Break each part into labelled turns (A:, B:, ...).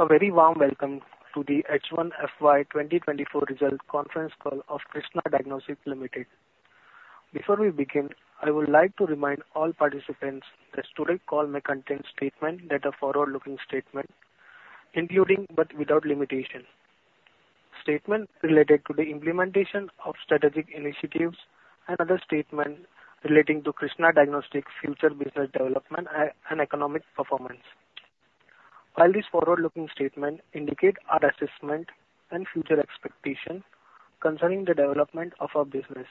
A: A very warm welcome to the H1 FY 2024 result conference call of Krsnaa Diagnostics Limited. Before we begin, I would like to remind all participants that today's call may contain statement that are forward-looking statement, including but without limitation, statement related to the implementation of strategic initiatives and other statement relating to Krsnaa Diagnostics' future business development and economic performance. While this forward-looking statement indicate our assessment and future expectation concerning the development of our business,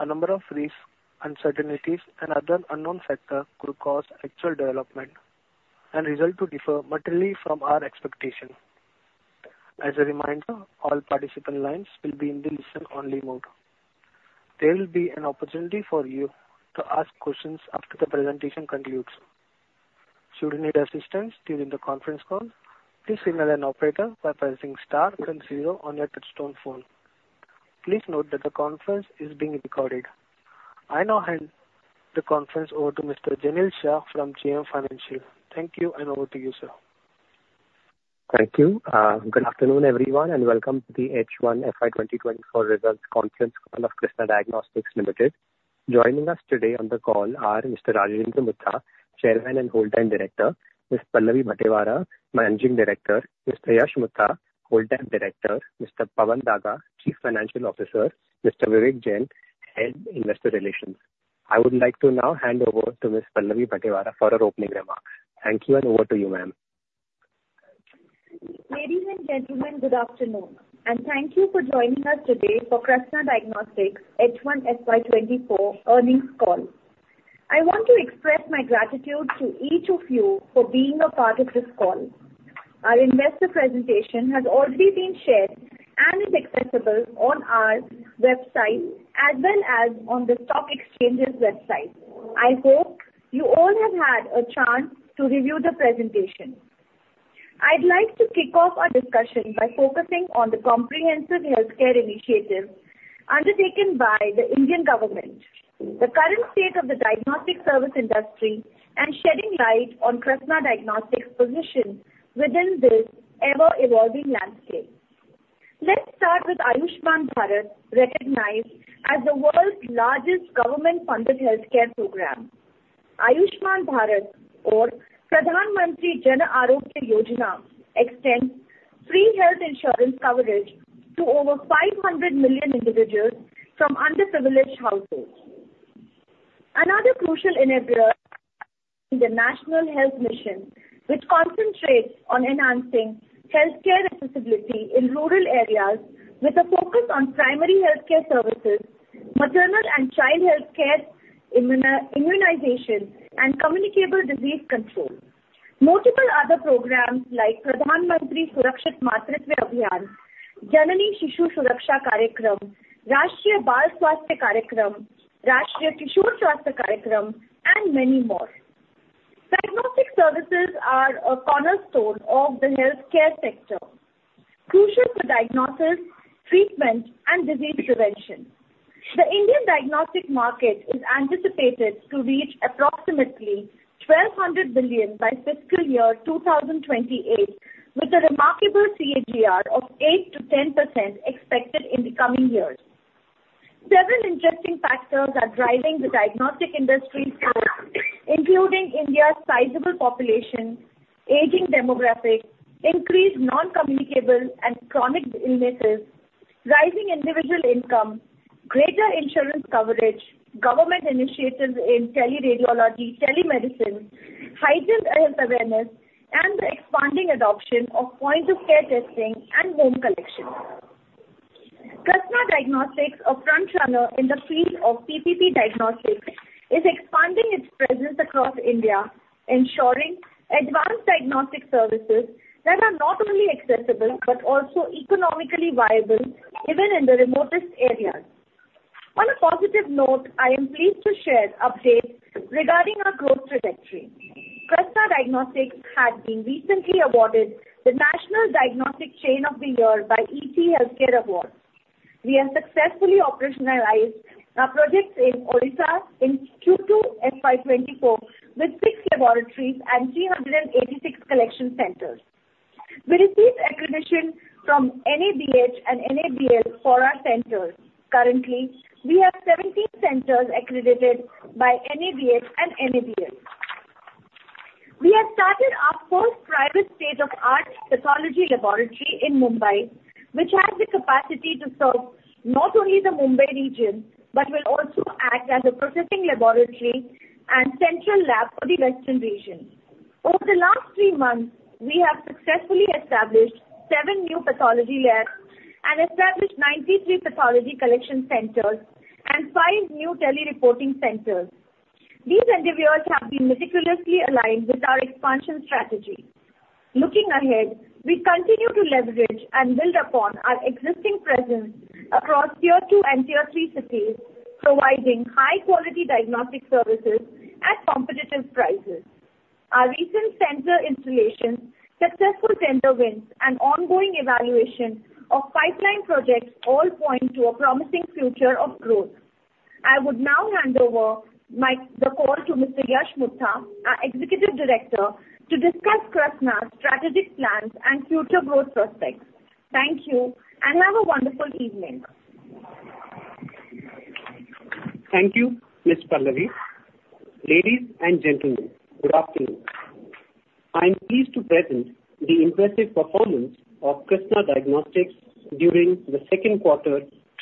A: a number of risks, uncertainties and other unknown factor could cause actual development and result to differ materially from our expectation. As a reminder, all participant lines will be in the listen-only mode. There will be an opportunity for you to ask questions after the presentation concludes. Should you need assistance during the conference call, please signal an operator by pressing star then zero on your touchtone phone. Please note that the conference is being recorded. I now hand the conference over to Mr. Jainil Shah from JM Financial. Thank you, and over to you, sir.
B: Thank you. Good afternoon, everyone, and welcome to the H1 FY 2024 results conference call of Krsnaa Diagnostics Limited. Joining us today on the call are Mr. Rajendra Mutha, Chairman and Whole Time Director; Ms. Pallavi Bhatevara, Managing Director; Mr. Yash Mutha, Whole Time Director; Mr. Pawan Daga, Chief Financial Officer; Mr. Vivek Jain, Head, Investor Relations. I would like to now hand over to Ms. Pallavi Bhatevara for her opening remark. Thank you, and over to you, ma'am.
C: Ladies and gentlemen, good afternoon, and thank you for joining us today for Krsnaa Diagnostics H1 FY24 earnings call. I want to express my gratitude to each of you for being a part of this call. Our investor presentation has already been shared and is accessible on our website as well as on the stock exchanges website. I hope you all have had a chance to review the presentation. I'd like to kick off our discussion by focusing on the comprehensive healthcare initiative undertaken by the Indian government, the current state of the diagnostic service industry, and shedding light on Krsnaa Diagnostics' position within this ever-evolving landscape. Let's start with Ayushman Bharat, recognized as the world's largest government-funded healthcare program. Ayushman Bharat or Pradhan Mantri Jan Arogya Yojana extends free health insurance coverage to over 500 million individuals from underprivileged households. Another crucial enabler in the National Health Mission, which concentrates on enhancing healthcare accessibility in rural areas with a focus on primary healthcare services, maternal and child healthcare, immunization, and communicable disease control. Multiple other programs like Pradhan Mantri Surakshit Matritva Abhiyan, Janani Shishu Suraksha Karyakram, Rashtriya Bal Swasthya Karyakram, Rashtriya Kishor Swasthya Karyakram, and many more. Diagnostic services are a cornerstone of the healthcare sector, crucial for diagnosis, treatment, and disease prevention. The Indian diagnostic market is anticipated to reach approximately 1,200 billion by fiscal year 2028, with a remarkable CAGR of 8%-10% expected in the coming years. Several interesting factors are driving the diagnostic industry forward, including India's sizable population, aging demographic, increased non-communicable and chronic illnesses, rising individual income, greater insurance coverage, government initiatives in teleradiology, telemedicine, heightened health awareness, and the expanding adoption of point-of-care testing and home collection. Krsnaa Diagnostics, a frontrunner in the field of PPP diagnostics, is expanding its presence across India, ensuring advanced diagnostic services that are not only accessible, but also economically viable even in the remotest areas. On a positive note, I am pleased to share updates regarding our growth trajectory. Krsnaa Diagnostics had been recently awarded the National Diagnostic Chain of the Year by ET Healthcare Awards. We have successfully operationalized our projects in Odisha in Q2 FY 2024, with 6 laboratories and 386 collection centers. We received accreditation from NABH and NABL for our centers. Currently, we have 17 centers accredited by NABH and NABL. We have started our first private state-of-the-art pathology laboratory in Mumbai, which has the capacity to serve not only the Mumbai region, but will also act as a processing laboratory and central lab for the western region. Over the last three months, we have successfully established 7 new pathology labs and established 93 pathology collection centers and 5 new tele reporting centers. These endeavors have been meticulously aligned with our expansion strategy. Looking ahead, we continue to leverage and build upon our existing presence across Tier 2 and Tier 3 cities, providing high-quality diagnostic services at competitive prices. Our recent center installations, successful tender wins, and ongoing evaluation of pipeline projects all point to a promising future of growth... I would now hand over the call to Mr. Yash Mutha, our Executive Director, to discuss Krsnaa's strategic plans and future growth prospects. Thank you, and have a wonderful evening.
D: Thank you, Ms. Pallavi. Ladies and gentlemen, good afternoon. I am pleased to present the impressive performance of Krsnaa Diagnostics during the second quarter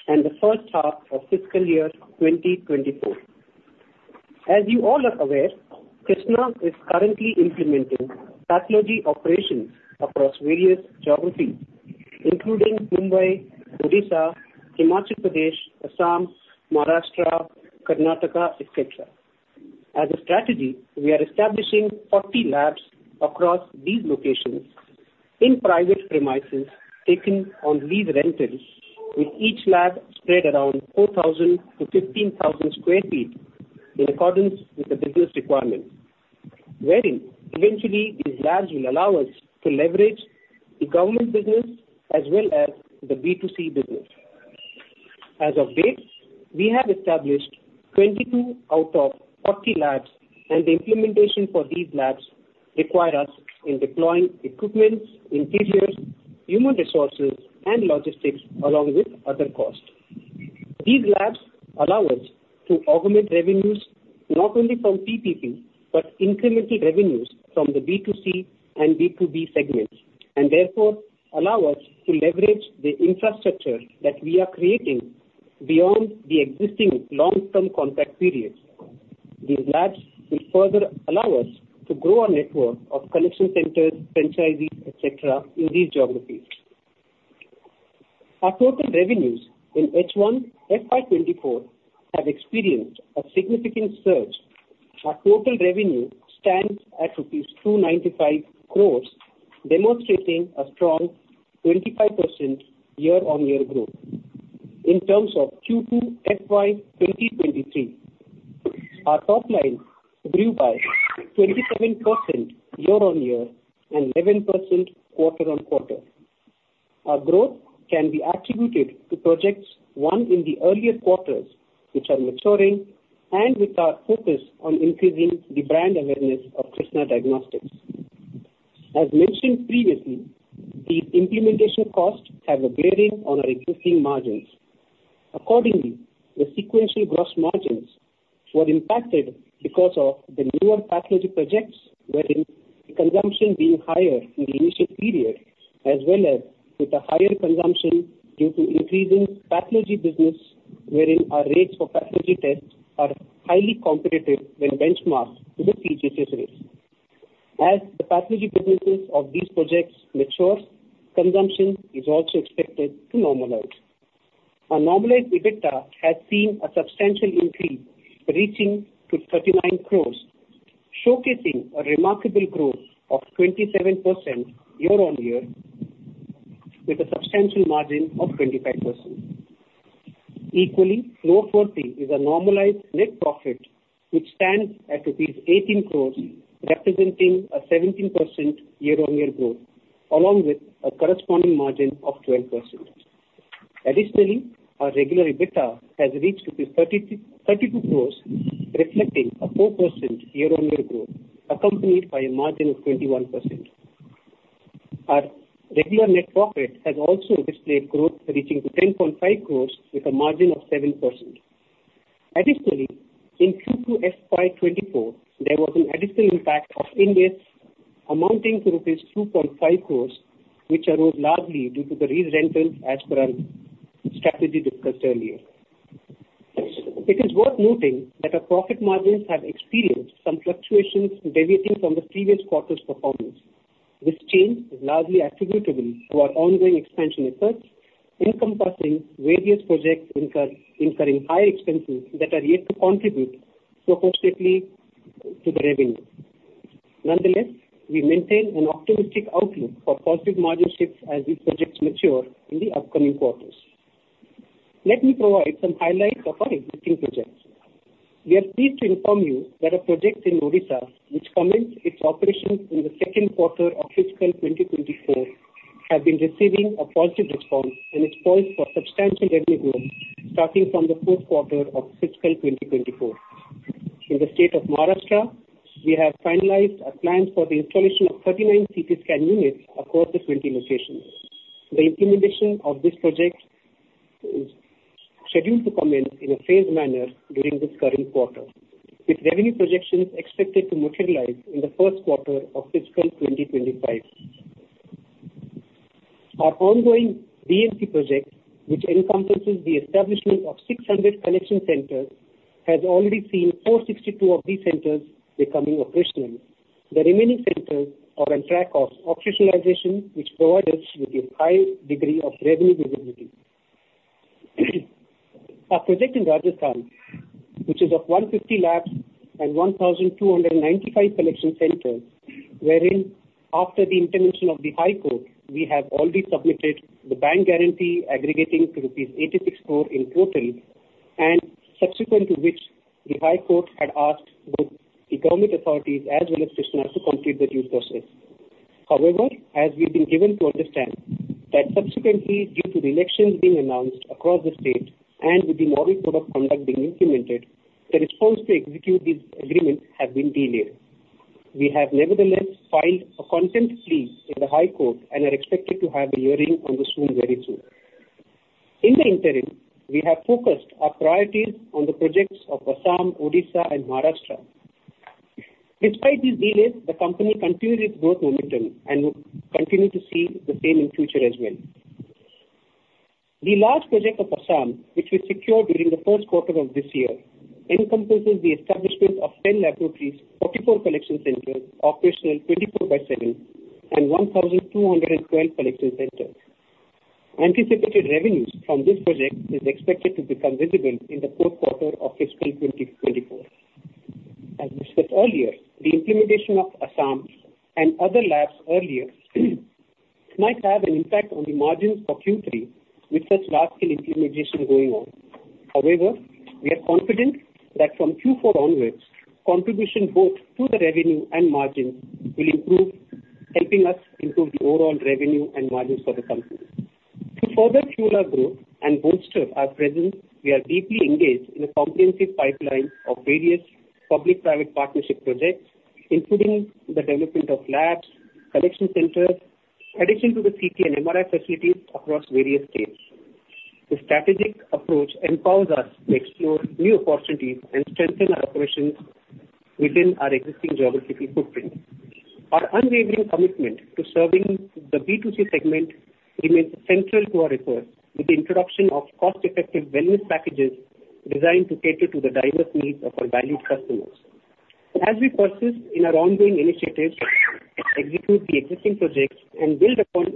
D: and the first half of fiscal year 2024. As you all are aware, Krsnaa is currently implementing pathology operations across various geographies, including Mumbai, Odisha, Himachal Pradesh, Assam, Maharashtra, Karnataka, etc. As a strategy, we are establishing 40 labs across these locations in private premises, taken on lease rentals, with each lab spread around 4,000-15,000 sq ft, in accordance with the business requirement, wherein eventually these labs will allow us to leverage the government business as well as the B2C business. As of date, we have established 22 out of 40 labs, and the implementation for these labs require us in deploying equipments, interiors, human resources, and logistics, along with other costs. These labs allow us to augment revenues not only from PPP, but incremental revenues from the B2C and B2B segments, and therefore allow us to leverage the infrastructure that we are creating beyond the existing long-term contract periods. These labs will further allow us to grow our network of collection centers, franchisees, et cetera, in these geographies. Our total revenues in H1 FY 2024 have experienced a significant surge. Our total revenue stands at rupees 295 crore, demonstrating a strong 25% year-on-year growth. In terms of Q2 FY 2023, our top line grew by 27% year-on-year and 11% quarter-on-quarter. Our growth can be attributed to projects won in the earlier quarters, which are maturing, and with our focus on increasing the brand awareness of Krsnaa Diagnostics. As mentioned previously, the implementation costs have a bearing on our existing margins. Accordingly, the sequential gross margins were impacted because of the newer pathology projects, wherein the consumption being higher in the initial period, as well as with a higher consumption due to increasing pathology business, wherein our rates for pathology tests are highly competitive when benchmarked to the CGHS rates. As the pathology businesses of these projects mature, consumption is also expected to normalize. Our normalized EBITDA has seen a substantial increase, reaching to 39 crore, showcasing a remarkable growth of 27% year-on-year, with a substantial margin of 25%. Equally noteworthy is our normalized net profit, which stands at INR 18 crore, representing a 17% year-on-year growth, along with a corresponding margin of 12%. Additionally, our regular EBITDA has reached rupees 32 crore, reflecting a 4% year-on-year growth, accompanied by a margin of 21%. Our regular net profit has also displayed growth, reaching to 10.5 crores with a margin of 7%. Additionally, in Q2 FY24, there was an additional impact of Ind AS amounting to rupees 2.5 crores, which arose largely due to the re-rentals as per our strategy discussed earlier. It is worth noting that our profit margins have experienced some fluctuations deviating from the previous quarter's performance. This change is largely attributable to our ongoing expansion efforts, encompassing various projects incurring high expenses that are yet to contribute proportionately to the revenue. Nonetheless, we maintain an optimistic outlook for positive margin shifts as these projects mature in the upcoming quarters. Let me provide some highlights of our existing projects. We are pleased to inform you that a project in Odisha, which commenced its operations in the second quarter of fiscal 2024, have been receiving a positive response and is poised for substantial revenue growth starting from the fourth quarter of fiscal 2024. In the state of Maharashtra, we have finalized our plans for the installation of 39 CT scan units across the 20 locations. The implementation of this project is scheduled to commence in a phased manner during this current quarter, with revenue projections expected to materialize in the first quarter of fiscal 2025. Our ongoing DMER project, which encompasses the establishment of 600 collection centers, has already seen 462 of these centers becoming operational. The remaining centers are on track of operationalization, which provide us with a high degree of revenue visibility. Our project in Rajasthan, which is of 150 labs and 1,295 collection centers, wherein after the intervention of the High Court, we have already submitted the bank guarantee aggregating to rupees 86 crore in total, and subsequent to which the High Court had asked both the government authorities as well as Krsnaa to complete the due process. However, as we've been given to understand, that subsequently, due to the elections being announced across the state and with the model code of conduct being implemented, the response to execute this agreement has been delayed. We have nevertheless filed a contempt plea in the High Court and are expected to have a hearing on this soon, very soon. In the interim, we have focused our priorities on the projects of Assam, Odisha and Maharashtra. Despite these delays, the company continued its growth momentum and will continue to see the same in future as well. The large project of Assam, which we secured during the first quarter of this year, encompasses the establishment of 10 laboratories, 44 collection centers, operational 24/7, and 1,212 collection centers. Anticipated revenues from this project is expected to become visible in the fourth quarter of fiscal 2024. As we said earlier, the implementation of Assam and other labs earlier might have an impact on the margins for Q3, with such large-scale implementation going on. However, we are confident that from Q4 onwards, contribution both to the revenue and margin will improve, helping us improve the overall revenue and margins for the company. To further fuel our growth and bolster our presence, we are deeply engaged in a comprehensive pipeline of various public-private partnership projects, including the development of labs, collection centers, addition to the CT and MRI facilities across various states. This strategic approach empowers us to explore new opportunities and strengthen our operations within our existing geographical footprint. Our unwavering commitment to serving the B2C segment remains central to our efforts, with the introduction of cost-effective wellness packages designed to cater to the diverse needs of our valued customers. As we persist in our ongoing initiatives, execute the existing projects, and build upon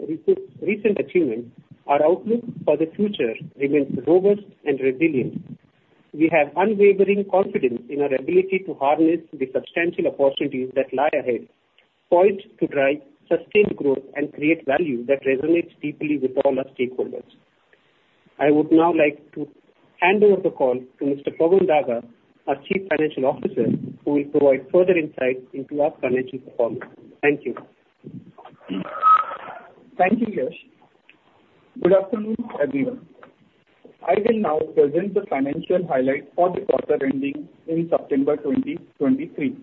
D: recent achievements, our outlook for the future remains robust and resilient. We have unwavering confidence in our ability to harness the substantial opportunities that lie ahead, poised to drive sustained growth and create value that resonates deeply with all our stakeholders. I would now like to hand over the call to Mr. Pawan Daga, our Chief Financial Officer, who will provide further insight into our financial performance. Thank you.
E: Thank you, Yash. Good afternoon, everyone. I will now present the financial highlights for the quarter ending in September 2023.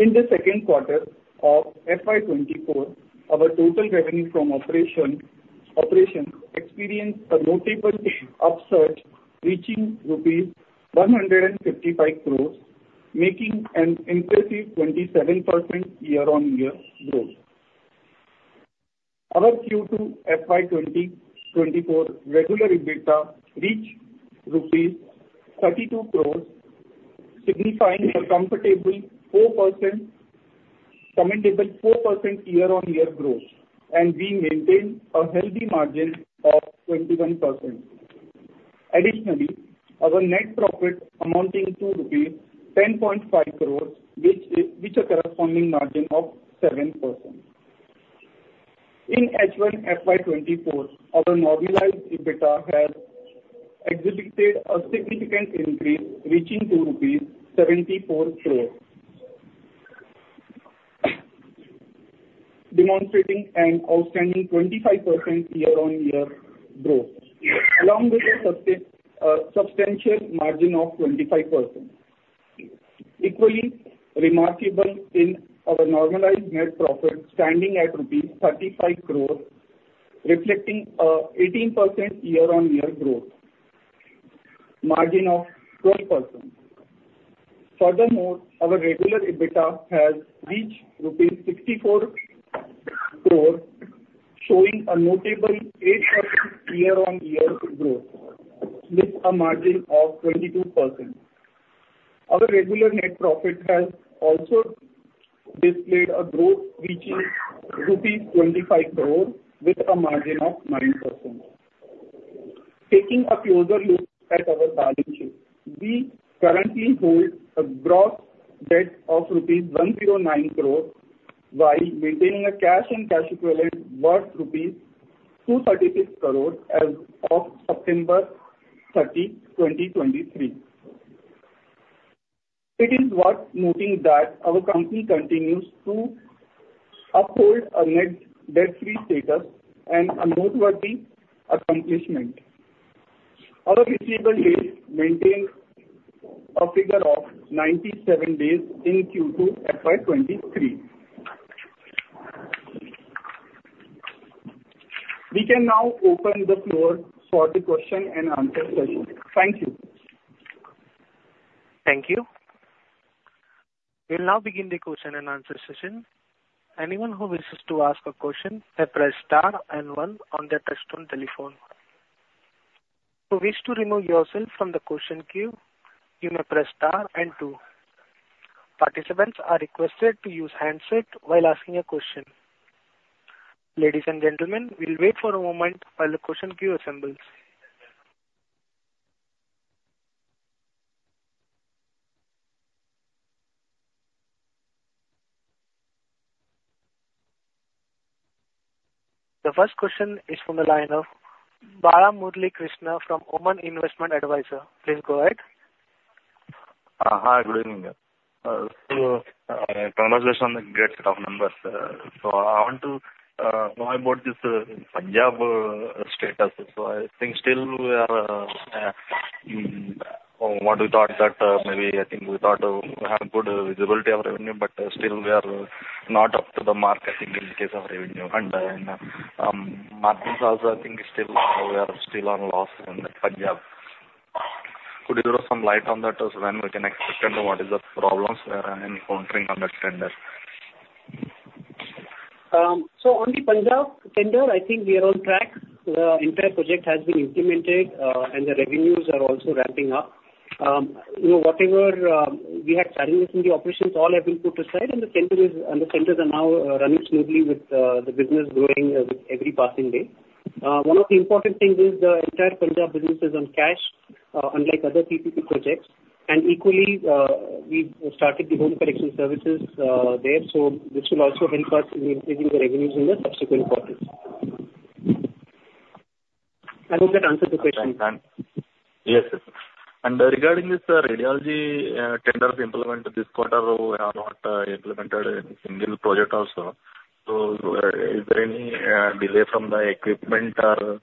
E: In the second quarter of FY 2024, our total revenue from operations experienced a notable upsurge, reaching rupees 155 crore, making an impressive 27% year-on-year growth. Our Q2 FY 2024 regular EBITDA reached INR 32 crore, signifying a comfortable 4%, commendable 4% year-on-year growth, and we maintain a healthy margin of 21%. Additionally, our net profit amounting to rupees 10.5 crore, which a corresponding margin of 7%. In H1 FY 2024, our normalized EBITDA has exhibited a significant increase, reaching to rupees 74 crore, demonstrating an outstanding 25% year-on-year growth, along with a substantial margin of 25%. Equally remarkable in our normalized net profit, standing at rupees 35 crore, reflecting an 18% year-on-year growth, margin of 12%. Furthermore, our regular EBITDA has reached rupees 64 crore, showing a notable 8% year-on-year growth with a margin of 22%. Our regular net profit has also displayed a growth, reaching rupees 25 crore with a margin of 9%. Taking a closer look at our balance sheet, we currently hold a gross debt of rupees 109 crore, while maintaining a cash and cash equivalents worth rupees 236 crore as of September 30, 2023. It is worth noting that our company continues to uphold a net debt-free status, a noteworthy accomplishment. Our receivables days maintain a figure of 97 days in Q2 FY 2023. We can now open the floor for the question and answer session. Thank you.
A: Thank you. We'll now begin the question and answer session. Anyone who wishes to ask a question may press star and one on their touchtone telephone. If you wish to remove yourself from the question queue, you may press star and two. Participants are requested to use handset while asking a question. Ladies and gentlemen, we'll wait for a moment while the question queue assembles... The first question is from the line of Bala Murali Krishna from Oman Investment Advisor. Please go ahead.
F: Hi, good evening. So, congratulations on the great set of numbers. So I want to know about this Punjab status. So I think still we are what we thought that maybe I think we thought we have good visibility of revenue, but still we are not up to the mark, I think, in the case of revenue. And margins also, I think still we are still on loss in Punjab. Could you throw some light on that as when we can expect and what is the problems we are encountering on that tender?
D: So on the Punjab tender, I think we are on track. The entire project has been implemented, and the revenues are also ramping up. You know, whatever, we had challenges in the operations, all have been put aside, and the tenders are now running smoothly with the business growing with every passing day. One of the important things is the entire Punjab business is on cash, unlike other PPP projects, and equally, we've started the home collection services there, so which will also help us in increasing the revenues in the subsequent quarters. I hope that answers your question.
F: Yes. Regarding this radiology tenders implement this quarter are not implemented in single project also. So, is there any delay from the equipment or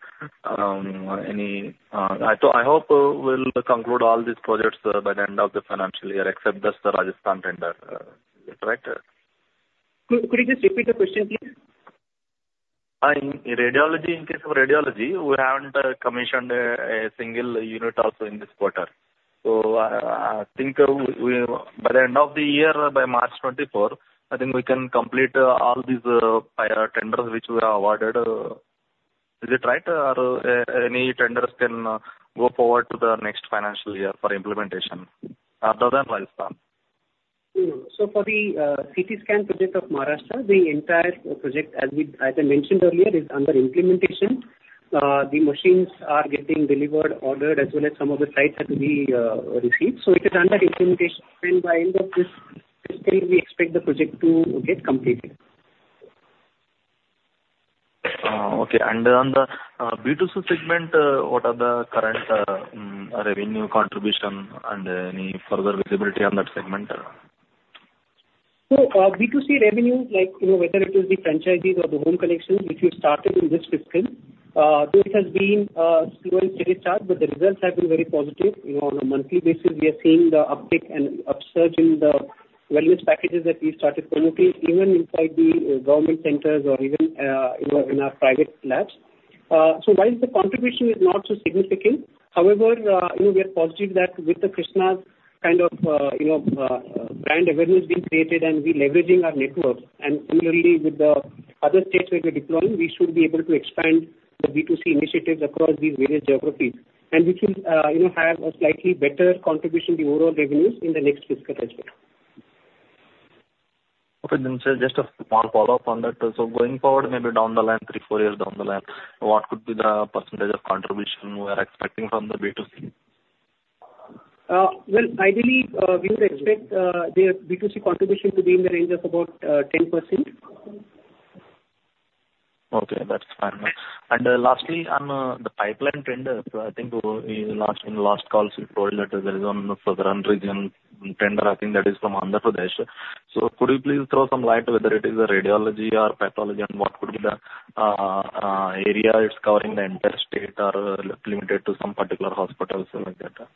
F: any? I hope we'll conclude all these projects by the end of the financial year, except the Rajasthan tender. Is that right?
D: Could you just repeat the question, please?
F: In radiology, in case of radiology, we haven't commissioned a single unit also in this quarter. So, I think we by the end of the year, by March 2024, I think we can complete all these prior tenders which we are awarded. Is it right? Or, any tenders can go forward to the next financial year for implementation, other than Rajasthan?
D: So for the CT scan project of Maharashtra, the entire project, as we, as I mentioned earlier, is under implementation. The machines are getting delivered, ordered, as well as some of the sites are to be received. So it is under implementation, and by end of this fiscal, we expect the project to get completed.
F: Okay, and on the B2C segment, what are the current revenue contribution and any further visibility on that segment?
D: So, B2C revenue, like, you know, whether it is the franchises or the home collection, which we started in this fiscal, so it has been, slow and steady start, but the results have been very positive. You know, on a monthly basis, we are seeing the uptick and upsurge in the wellness packages that we started promoting, even inside the government centers or even, you know, in our private labs. So while the contribution is not so significant, however, you know, we are positive that with the Krsnaa's kind of, you know, brand awareness being created and we leveraging our network, and similarly with the other states where we're deploying, we should be able to expand the B2C initiatives across these various geographies. This will, you know, have a slightly better contribution to overall revenues in the next fiscal as well.
F: Okay, then, sir, just a small follow-up on that. So going forward, maybe down the line, three, four years down the line, what could be the percentage of contribution we are expecting from the B2C?
D: Well, ideally, we would expect the B2C contribution to be in the range of about 10%.
F: Okay, that's fine. And, lastly, on the pipeline tender, so I think in the last, in the last call, you told that there is one for the Radiology tender, I think that is from Andhra Pradesh. So could you please throw some light whether it is a radiology or pathology and what could be the area it's covering, the entire state or limited to some particular hospitals like that?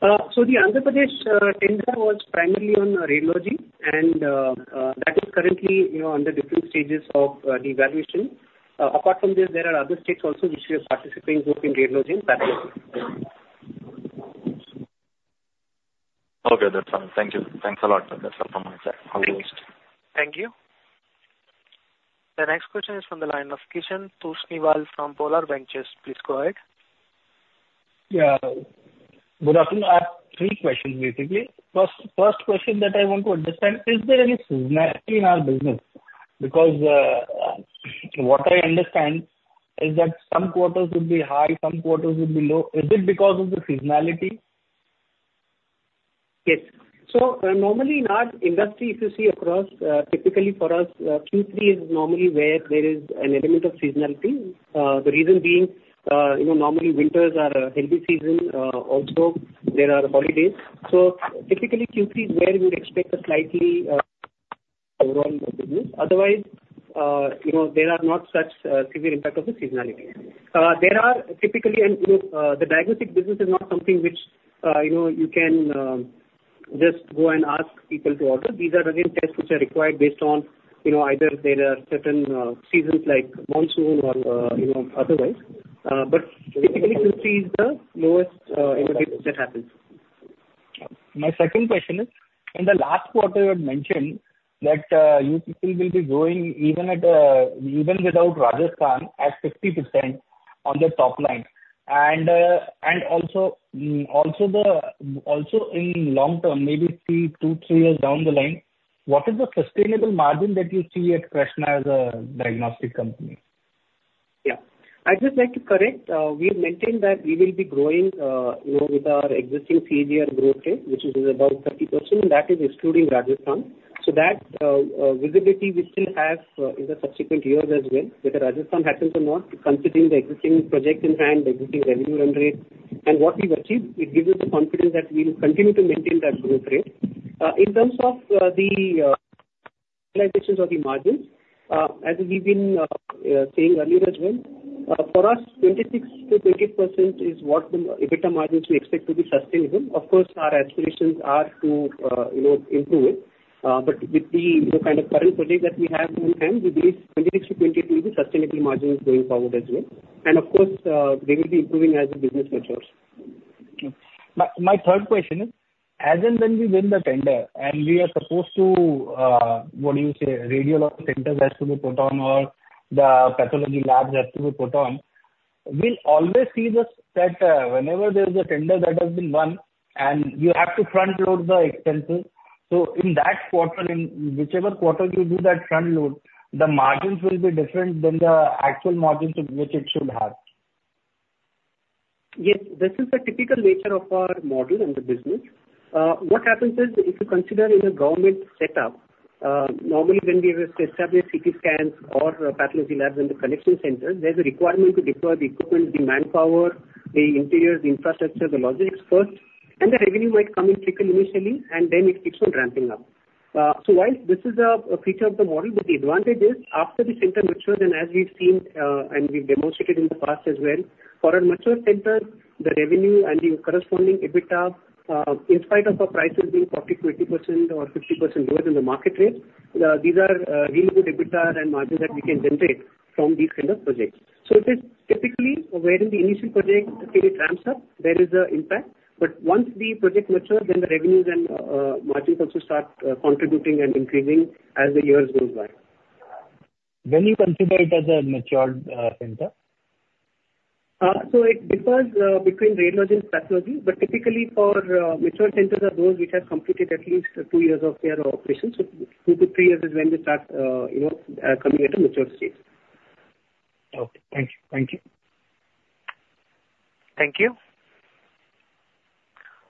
D: So the Andhra Pradesh tender was primarily on radiology, and that is currently, you know, under different stages of the evaluation. Apart from this, there are other states also which we are participating both in radiology and pathology.
F: Okay, that's fine. Thank you. Thanks a lot. That's all from my side.
A: Thank you. The next question is from the line of Kishan Toshniwal from Polar Ventures. Please go ahead.
G: Yeah. Good afternoon. I have three questions, basically. First, first question that I want to understand, is there any seasonality in our business? Because, what I understand is that some quarters would be high, some quarters would be low. Is it because of the seasonality?
D: Yes. So normally in our industry, if you see across, typically for us, Q3 is normally where there is an element of seasonality. The reason being, you know, normally winters are a healthy season. Also there are holidays. So typically, Q3 is where we would expect a slightly overall business. Otherwise, you know, there are not such severe impact of the seasonality. There are typically and, you know, the diagnostic business is not something which, you know, you can just go and ask people to order. These are again, tests which are required based on, you know, either there are certain seasons like monsoon or, you know, otherwise. But typically Q3 is the lowest indicator that happens.
G: My second question is, in the last quarter you had mentioned that you people will be growing even at even without Rajasthan at 50% on the top line. And and also also in long term, maybe two, two, three years down the line, what is the sustainable margin that you see at Krsnaa as a diagnostic company?
D: Yeah. I'd just like to correct, we've mentioned that we will be growing, you know, with our existing CAGR growth rate, which is about 30%, and that is excluding Rajasthan. So that visibility we still have in the subsequent years as well, whether Rajasthan happens or not, considering the existing projects in hand, the existing revenue run rate. And what we've achieved, it gives us the confidence that we will continue to maintain that growth rate. In terms of the margins, as we've been saying earlier as well, for us, 26%-20% is what the EBITDA margins we expect to be sustainable. Of course, our aspirations are to, you know, improve it. But with the kind of current projects that we have in hand, we believe 26-20 will be sustainable margins going forward as well. And of course, they will be improving as the business matures.
G: My, my third question is, as and when we win the tender and we are supposed to, what do you say, radiology centers has to be put on or the pathology labs have to be put on, we'll always see this, that, whenever there's a tender that has been won and you have to front load the expenses. So in that quarter, in whichever quarter you do that front load, the margins will be different than the actual margins which it should have.
D: Yes, this is the typical nature of our model in the business. What happens is, if you consider in a government setup, normally when we establish CT scans or pathology labs in the collection centers, there's a requirement to deploy the equipment, the manpower, the interiors, the infrastructure, the logistics first, and the revenue might come in a trickle initially, and then it keeps on ramping up. So while this is a feature of the model, but the advantage is, after the center matures, and as we've seen, and we've demonstrated in the past as well, for a mature center, the revenue and the corresponding EBITDA, in spite of our prices being 40, 20% or 50% lower than the market rate, these are really good EBITDA and margins that we can generate from these kind of projects. So it is typically where in the initial project period ramps up, there is an impact. But once the project matures, then the revenues and, margins also start, contributing and increasing as the years go by.
G: When you consider it as a matured center?
D: So it differs between radiology and pathology, but typically for mature centers are those which have completed at least two years of their operations. So two to three years is when they start, you know, coming at a mature state.
G: Okay. Thank you. Thank you.
A: Thank you.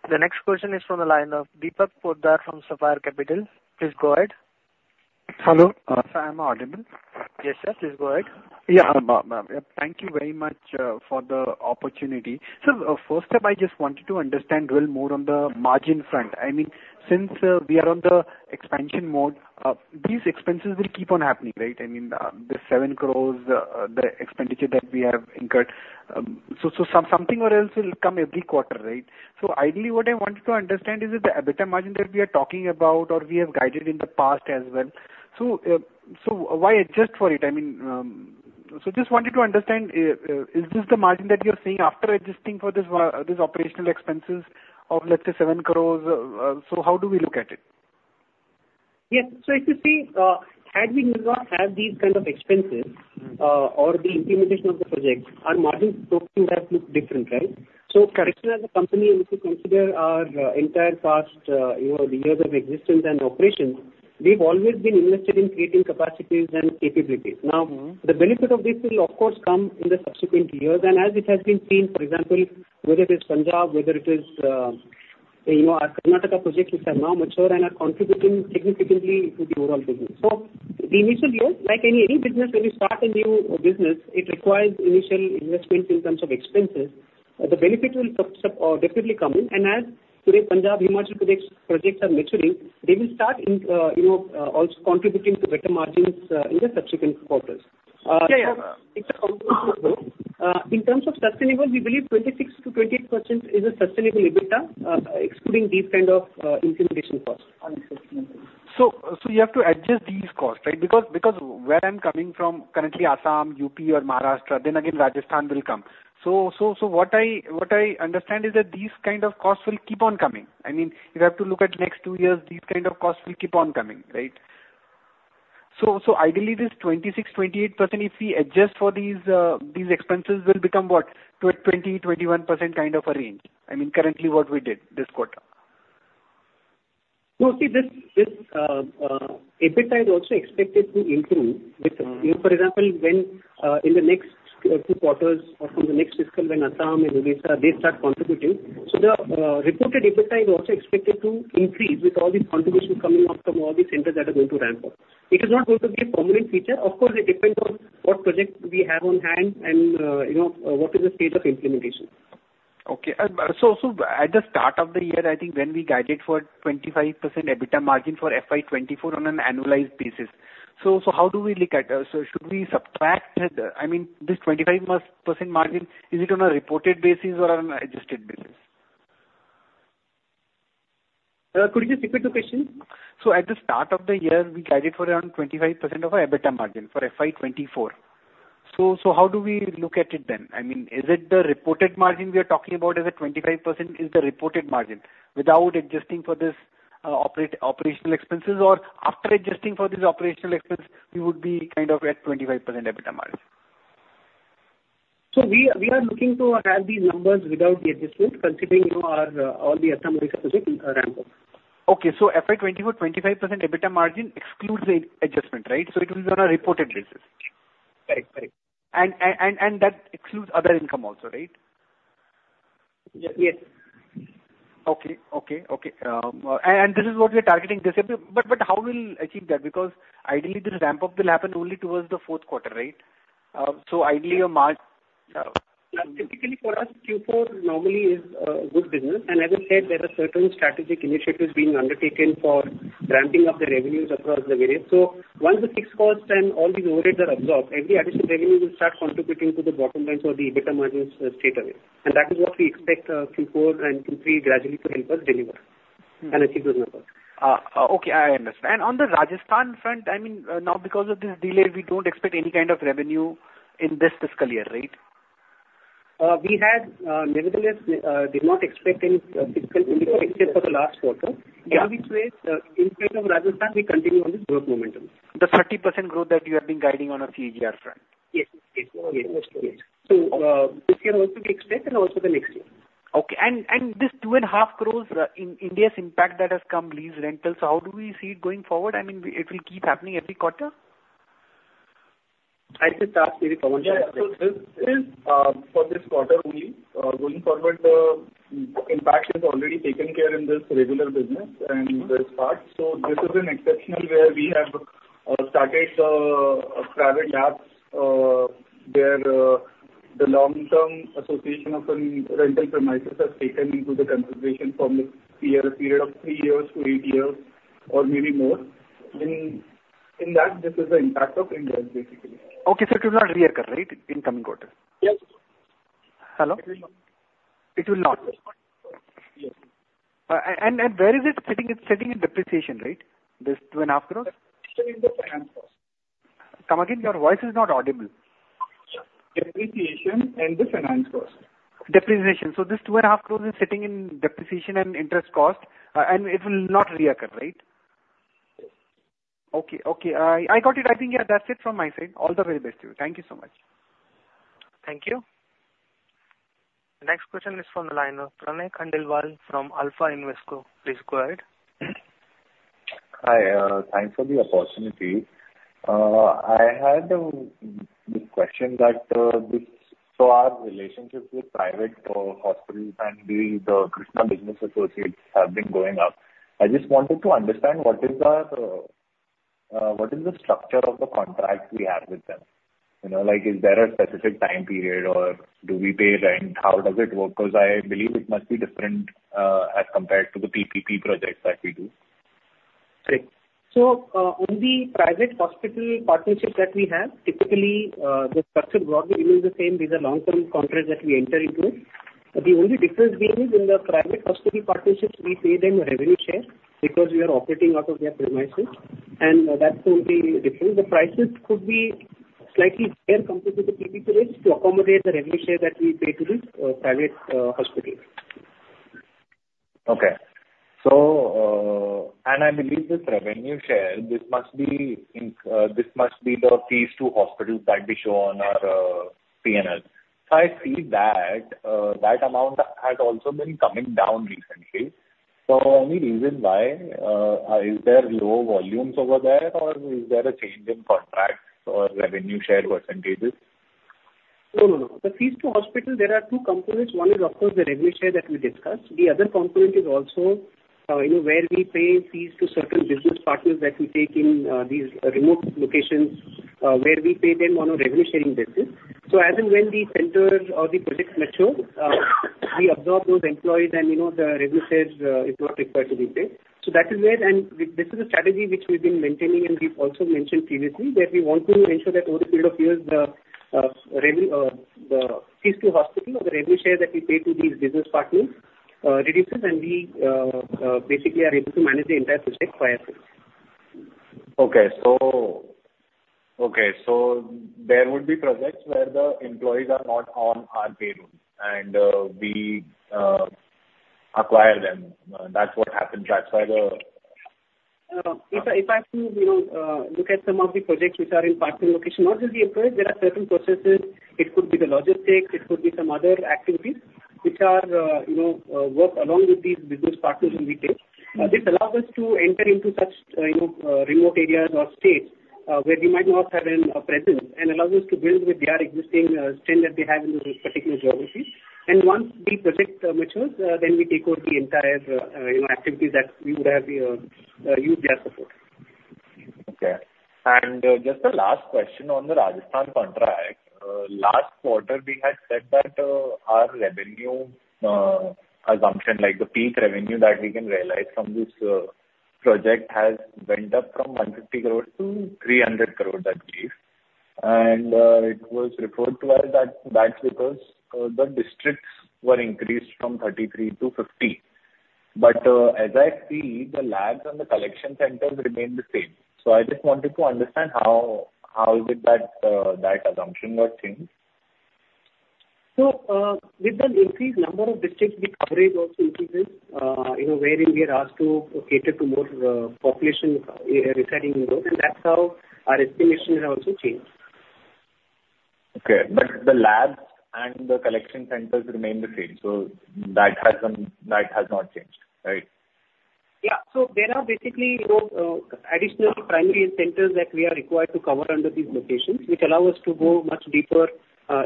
A: The next question is from the line of Deepak Poddar from Sapphire Capital. Please go ahead.
H: Hello. Sir, am I audible?
A: Yes, yes. Please go ahead.
H: Yeah. Thank you very much for the opportunity. So, first up, I just wanted to understand a little more on the margin front. I mean, since we are on the expansion mode, these expenses will keep on happening, right? I mean, the 7 crore, the expenditure that we have incurred. So something or else will come every quarter, right? So ideally, what I wanted to understand is that the EBITDA margin that we are talking about or we have guided in the past as well, so, so why adjust for it? I mean, so just wanted to understand, is this the margin that you're seeing after adjusting for this, this operational expenses of, let's say, 7 crore? So how do we look at it?
D: Yes. So if you see, had we not had these kind of expenses, or the implementation of the project, our margins would have looked different, right? So correctly, as a company, if you consider our, entire past, you know, the years of existence and operations, we've always been invested in creating capacities and capabilities.
H: Mm-hmm.
D: Now, the benefit of this will of course come in the subsequent years and as it has been seen, for example, whether it is Punjab, whether it is, you know, our Karnataka projects which are now mature and are contributing significantly to the overall business. So the initial years, like any, any business, when you start a new business, it requires initial investments in terms of expenses. The benefit will definitely come in, and as today, Punjab, Himachal projects are maturing, they will start in, you know, also contributing to better margins, in the subsequent quarters.
H: Yeah, yeah.
D: In terms of sustainable, we believe 26%-28% is a sustainable EBITDA, excluding these kind of implementation costs on a sustainable.
H: So you have to adjust these costs, right? Because where I'm coming from, currently Assam, UP or Maharashtra, then again Rajasthan will come. So what I understand is that these kind of costs will keep on coming. I mean, if you have to look at next two years, these kind of costs will keep on coming, right? So ideally, this 26%-28%, if we adjust for these expenses, will become what? 20%-21% kind of a range. I mean, currently what we did this quarter.
D: No, see, this EBITDA is also expected to improve with...
H: Mm-hmm.
D: For example, when in the next two quarters or from the next fiscal when Assam and Odisha, they start contributing.
H: Mm-hmm.
D: So the reported EBITDA is also expected to increase with all these contributions coming up from all the centers that are going to ramp up. It is not going to be a permanent feature. Of course, it depends on what projects we have on hand and, you know, what is the state of implementation.
H: Okay. So at the start of the year, I think when we guided for 25% EBITDA margin for FY 2024 on an annualized basis. So how do we look at it? So should we subtract the... I mean, this 25% margin, is it on a reported basis or on an adjusted basis?
D: Could you repeat the question?
H: So at the start of the year, we guided for around 25% of our EBITDA margin for FY 2024. So how do we look at it then? I mean, is it the reported margin we are talking about, is it 25% is the reported margin without adjusting for this operational expenses, or after adjusting for this operational expense, we would be kind of at 25% EBITDA margin?
D: So we are looking to have these numbers without the adjustment, considering, you know, our all the ramp up.
H: Okay. So FY 2024, 25% EBITDA margin excludes the adjustment, right? So it is on a reported basis.
D: Right. Right.
H: That excludes other income also, right?
D: Yes.
H: Okay, okay, okay. And this is what we are targeting this, but how will you achieve that? Because ideally, this ramp up will happen only towards the fourth quarter, right? So ideally a March.
D: Typically, for us, Q4 normally is good business. As I said, there are certain strategic initiatives being undertaken for ramping up the revenues across the various. So once the fixed costs and all the overheads are absorbed, every additional revenue will start contributing to the bottom line, so the EBITDA margins straight away. That is what we expect Q4 and Q3 gradually to help us deliver and achieve those numbers.
H: Okay, I understand. On the Rajasthan front, I mean, now, because of this delay, we don't expect any kind of revenue in this fiscal year, right?
D: We had, nevertheless, did not expect any fiscal in the quarter for the last quarter.
H: Yeah.
D: In which way, in spite of Rajasthan, we continue on this growth momentum.
H: The 30% growth that you have been guiding on a CAGR front?
D: Yes. Yes. Yes. So, this year also we expect and also the next year.
H: Okay. And this 2.5 crore in Ind AS impact that has come from lease rentals, how do we see it going forward? I mean, it will keep happening every quarter?
D: I think that's maybe, Pawan.
E: Yeah. So this is for this quarter only. Going forward, the impact is already taken care in this regular business and this part. So this is an exceptional where we have started private labs where the long-term association of a rental premises has taken into the consideration from a year, a period of 3 years to 8 years or maybe more. In that, this is the impact of Ind AS, basically.
H: Okay, so it will not reoccur, right, in coming quarter?
E: Yes.
H: Hello?
E: It will not.
H: It will not.
E: Yes.
H: Where is it sitting? It's sitting in depreciation, right? This INR 2.5 crore.
E: It's in the finance cost.
H: Come again, your voice is not audible.
E: Depreciation and the finance cost.
H: Depreciation. So this 2.5 crore is sitting in depreciation and interest cost, and it will not reoccur, right?
E: Yes.
H: Okay, okay. I got it. I think, yeah, that's it from my side. All the very best to you. Thank you so much.
A: Thank you. Next question is from the line of Pranay Khandelwal from Alpha Invesco. Please go ahead.
I: Hi, thanks for the opportunity. I had the question that, this, so our relationships with private hospitals and the Krsnaa Business Associates have been going up. I just wanted to understand what is the structure of the contracts we have with them? You know, like, is there a specific time period or do we pay rent? How does it work? Because I believe it must be different as compared to the PPP projects that we do.
D: So, on the private hospital partnerships that we have, typically, the structure broadly remains the same. These are long-term contracts that we enter into. The only difference being is in the private hospital partnerships, we pay them a revenue share because we are operating out of their premises, and that's the only difference. The prices could be slightly higher compared to the PPP projects to accommodate the revenue share that we pay to the, private, hospitals.
I: Okay. So, and I believe this revenue share, this must be in, this must be the fees to hospitals that we show on our, PNL. So I see that, that amount had also been coming down recently. So any reason why, is there low volumes over there, or is there a change in contracts or revenue share percentages?
D: No, no, no. The fees to hospital, there are two components. One is, of course, the revenue share that we discussed. The other component is also, you know, where we pay fees to certain business partners that we take in these remote locations, where we pay them on a revenue sharing basis. So as and when the centers or the projects mature, we absorb those employees and, you know, the revenue shares is not required to be paid. So that is where... and this is a strategy which we've been maintaining, and we've also mentioned previously, that we want to ensure that over a period of years, the, the fees to hospital or the revenue share that we pay to these business partners, reduces, and we basically are able to manage the entire project by ourselves.
I: Okay, so there would be projects where the employees are not on our payroll, and we acquire them. That's what happens. That's why the-
D: If I, if I have to, you know, look at some of the projects which are in partner location, not only the employees, there are certain processes. It could be the logistics, it could be some other activities which are, you know, work along with these business partners whom we take. This allows us to enter into such, you know, remote areas or states, where we might not have a presence, and allows us to build with their existing strength that they have in those particular geographies. And once the project matures, then we take over the entire, you know, activities that we would have used their support.
I: Okay. And, just a last question on the Rajasthan contract. Last quarter, we had said that, our revenue, assumption, like the peak revenue that we can realize from this, project, has went up from 150 crores to 300 crores, I believe. And, it was referred to as that, that's because, the districts were increased from 33 to 50. But, as I see, the labs and the collection centers remain the same. So I just wanted to understand how, how did that, that assumption got changed?
D: So, with the increased number of districts, the coverage also increases, you know, wherein we are asked to cater to more population residing in those, and that's how our estimations have also changed.
I: Okay, but the labs and the collection centers remain the same, so that hasn't, that has not changed, right?
D: Yeah. So there are basically, you know, additional primary centers that we are required to cover under these locations, which allow us to go much deeper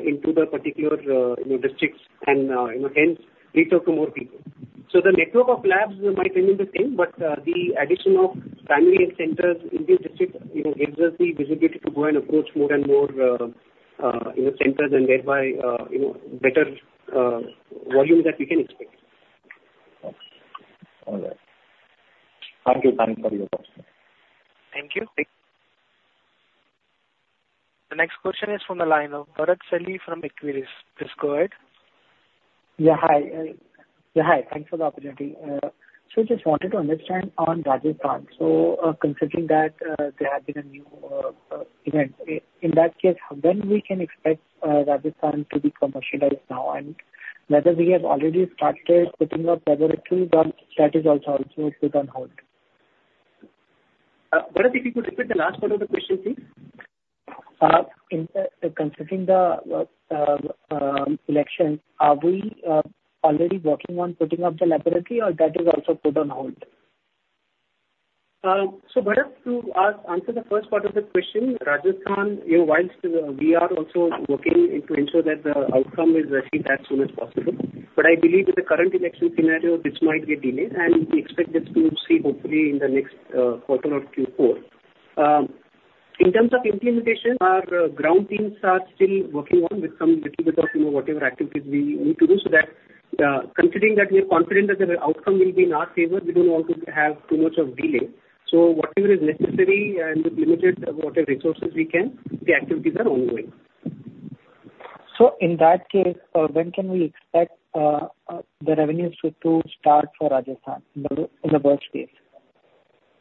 D: into the particular, you know, districts and, you know, hence, reach out to more people. So the network of labs might remain the same, but the addition of primary centers in these districts, you know, gives us the visibility to go and approach more and more, you know, centers and thereby, you know, better volume that we can expect.
I: Okay. All right. Thank you for your question.
A: Thank you. The next question is from the line of Bharat Sheth from Equirus. Please go ahead.
J: Yeah, hi. Yeah, hi. Thanks for the opportunity. So just wanted to understand on Rajasthan. So, considering that, there have been a new event, in that case, when we can expect Rajasthan to be commercialized now, and whether we have already started putting up laboratory, but that is also put on hold?
D: Bharat, if you could repeat the last part of the question, please?
K: In considering the election, are we already working on putting up the laboratory, or that is also put on hold?
D: So, Bharat, to answer the first part of the question, Rajasthan, you know, while we are also working to ensure that the outcome is received as soon as possible, but I believe with the current election scenario, this might get delayed, and we expect this to see hopefully in the next quarter or Q4. In terms of implementation, our ground teams are still working on with some little bit of, you know, whatever activities we need to do, so that, considering that we are confident that the outcome will be in our favor, we don't want to have too much of delay. So whatever is necessary and with limited whatever resources we can, the activities are ongoing.
K: In that case, when can we expect the revenues to start for Rajasthan in the worst case?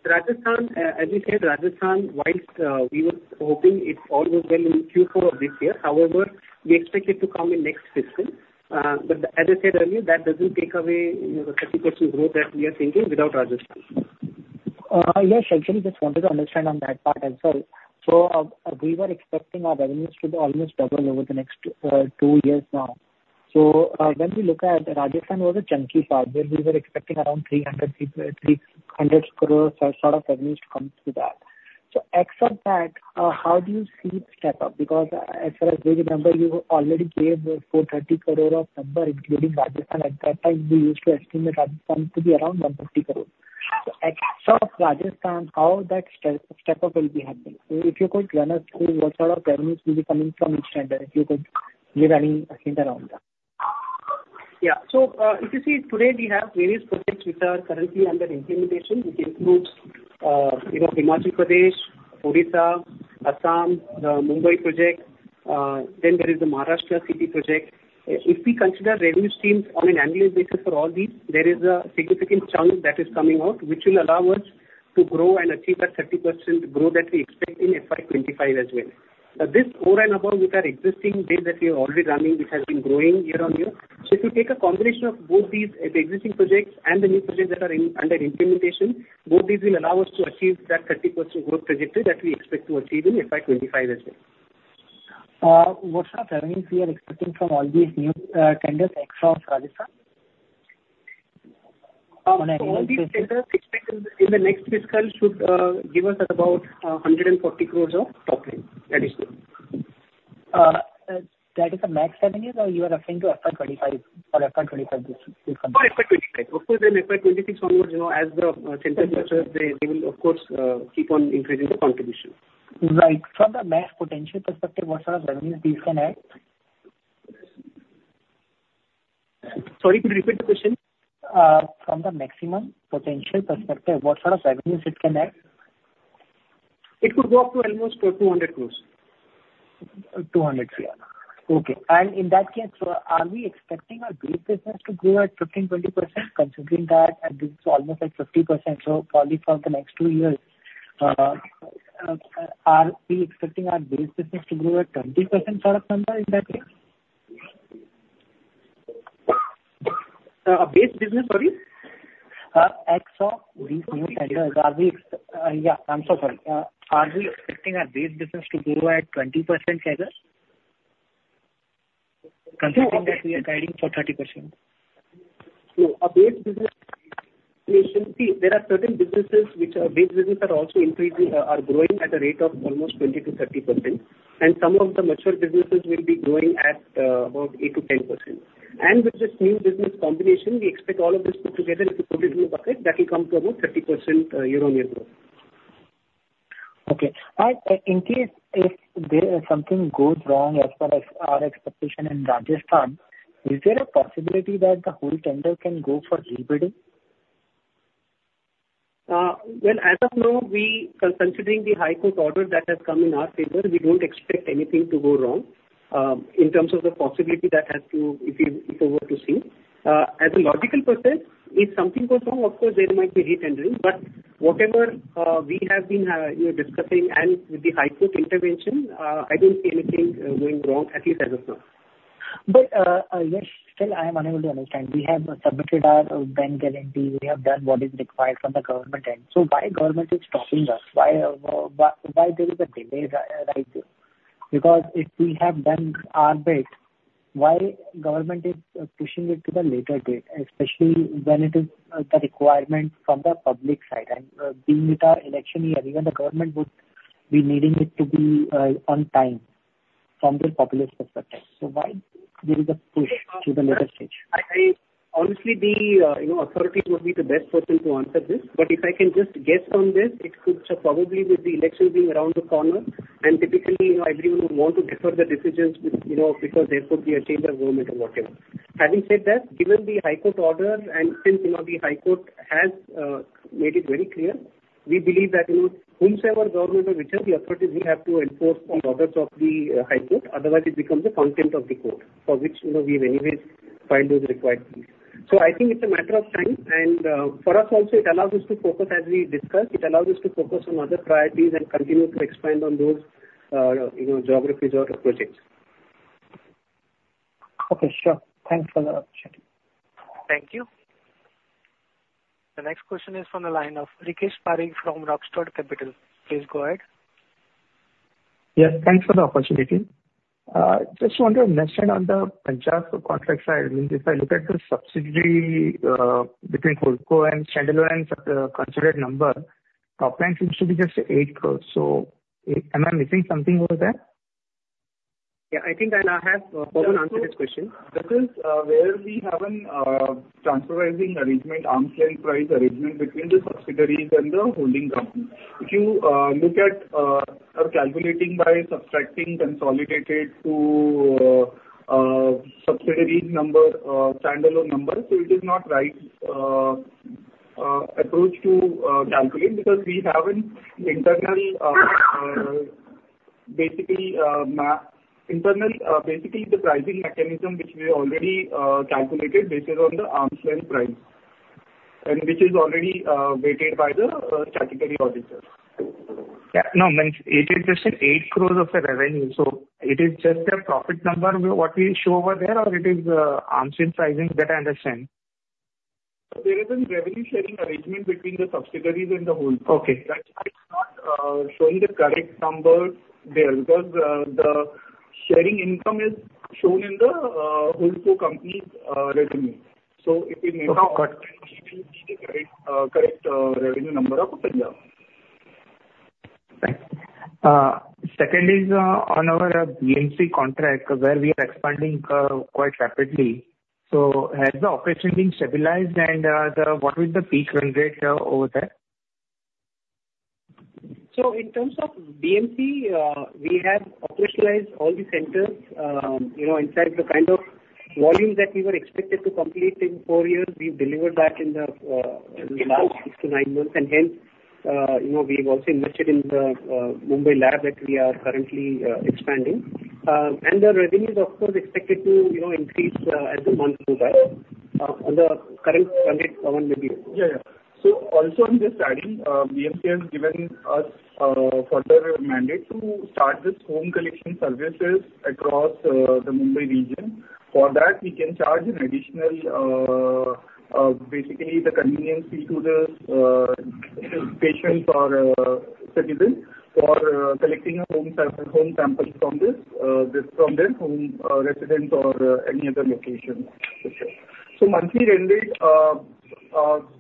D: Rajasthan, as you said, Rajasthan, while we were hoping it all goes well in Q4 of this year, however, we expect it to come in next fiscal. But as I said earlier, that doesn't take away, you know, the 30% growth that we are thinking without Rajasthan.
K: Yes, actually, just wanted to understand on that part as well. So, we were expecting our revenues to almost double over the next 2 years now. So, when we look at Rajasthan was a chunky part, where we were expecting around 300 crore sort of revenues to come through that. So except that, how do you see the step up? Because, as far as we remember, you already gave the 430 crore number, including Rajasthan, at that time, we used to estimate Rajasthan to be around 150 crore. So except Rajasthan, how that step up will be happening? So if you could run us through what sort of revenues will be coming from each tender, if you could give any hint around that.
D: Yeah. So, if you see today, we have various projects which are currently under implementation, which includes, you know, Himachal Pradesh, Odisha, Assam, the Mumbai project, then there is the Maharashtra city project. If we consider revenue streams on an annual basis for all these, there is a significant chunk that is coming out, which will allow us to grow and achieve that 30% growth that we expect in FY 2025 as well. But this, over and above, with our existing base that we are already running, which has been growing year-on-year. So if you take a combination of both these, the existing projects and the new projects that are in, under implementation, both these will allow us to achieve that 30% growth trajectory that we expect to achieve in FY 2025 as well.
J: What sort of revenues we are expecting from all these new tenders extra of Rajasthan? On an annual basis.
D: All these tenders expected in the next fiscal should give us about 140 crore of top line additional.
J: That is the max revenues, or you are referring to FY 25 or FY 25 this?
D: For FY 25. Of course, then FY 26 onwards, you know, as the tenders are closed, they, they will of course keep on increasing the contribution.
J: Right. From the max potential perspective, what sort of revenues these can add?
D: Sorry, could you repeat the question?
K: From the maximum potential perspective, what sort of revenues it can add?
D: It could go up to almost 200 crore.
J: 200 crore. Okay. And in that case, are we expecting our base business to grow at 15%-20%, considering that this is almost at 50%, so probably for the next 2 years, are we expecting our base business to grow at 20% sort of number in that case?
D: Base business, sorry?
K: Yeah, I'm so sorry. Are we expecting our base business to grow at 20% cadence? Considering that-
D: No.
J: We are guiding for 30%.
D: Our base business, see, there are certain businesses which are base business are also increasing are growing at a rate of almost 20%-30%. Some of the mature businesses will be growing at about 8%-10%. With this new business combination, we expect all of this put together, if you put it in a bucket, that will come to about 30% year-on-year growth.
J: Okay. In case if there something goes wrong as per as our expectation in Rajasthan, is there a possibility that the whole tender can go for re-bidding?
D: Well, as of now, considering the High Court order that has come in our favor, we don't expect anything to go wrong. In terms of the possibility that has to... if it were to see. As a logical process, if something goes wrong, of course, there might be re-tendering, but whatever, we have been, you know, discussing and with the High Court intervention, I don't see anything going wrong, at least as of now.
J: Yes, still I am unable to understand. We have submitted our bank guarantee, we have done what is required from the government, and so why government is stopping us? Why, why there is a delay, right here? Because if we have done our bit, why government is pushing it to the later date, especially when it is, the requirement from the public side, and, being it a election year, even the government would be needing it to be, on time from the populist perspective. So why there is a push to the later stage?
D: Honestly, the, you know, authorities would be the best person to answer this. But if I can just guess on this, it could probably with the elections being around the corner, and typically, you know, everyone would want to defer the decisions which, you know, because there could be a change of government or whatever. Having said that, given the High Court order and since, you know, the High Court has made it very clear, we believe that, you know, whosoever government or whichever the authorities, we have to enforce the orders of the, uh, High Court, otherwise it becomes a contempt of the court, for which, you know, we've anyways filed those required things. I think it's a matter of time, and for us also it allows us to focus as we discuss. It allows us to focus on other priorities and continue to expand on those, you know, geographies or projects.
J: Okay, sure. Thanks for the opportunity.
A: Thank you. The next question is from the line of Rakesh Pareek from Rockstud Capital. Please go ahead.
L: Yes, thanks for the opportunity. Just wanted to understand on the Punjab contract side, I mean, if I look at the subsidiary, between Holdco and standalone considered number, top line seems to be just 8 crore. So, am I missing something over there?
D: Yeah, I think I'll have Pawan answer this question.
E: This is where we have a transfer pricing arrangement, arm's length price arrangement between the subsidiaries and the holding company. If you look at or calculating by subtracting consolidated to subsidiary number standalone number, so it is not right approach to calculate, because we have an internal basically internal basically the pricing mechanism, which we already calculated based on the arm's length price, and which is already vetted by the statutory auditors.
L: Yeah, no, means it is just 8 crore of the revenue, so it is just a profit number what we show over there, or it is, arm's length pricing? That I understand.
E: There is a revenue sharing arrangement between the subsidiaries and the whole.
L: Okay.
E: That is not showing the correct number there, because the sharing income is shown in the Holdco company's revenue. So it may not-
L: Okay.
E: Be the correct revenue number of Punjab?
L: Thanks. Second is, on our BMC contract, where we are expanding, quite rapidly. So has the operation been stabilized, and what is the peak run rate, over there?
D: So in terms of BMC, we have operationalized all the centers, you know, inside the kind of volume that we were expected to complete in 4 years, we've delivered that in the last 6-9 months. And hence, you know, we've also invested in the Mumbai lab that we are currently expanding. And the revenue is of course expected to, you know, increase, as the months move on. On the current run rate, Pawan may be-
E: Yeah, yeah. So also I'm just adding, BMC has given us further mandate to start with home collection services across the Mumbai region. For that, we can charge an additional basically the convenience fee to the patient or citizen for collecting home samples from their home residence or any other location. So monthly run rate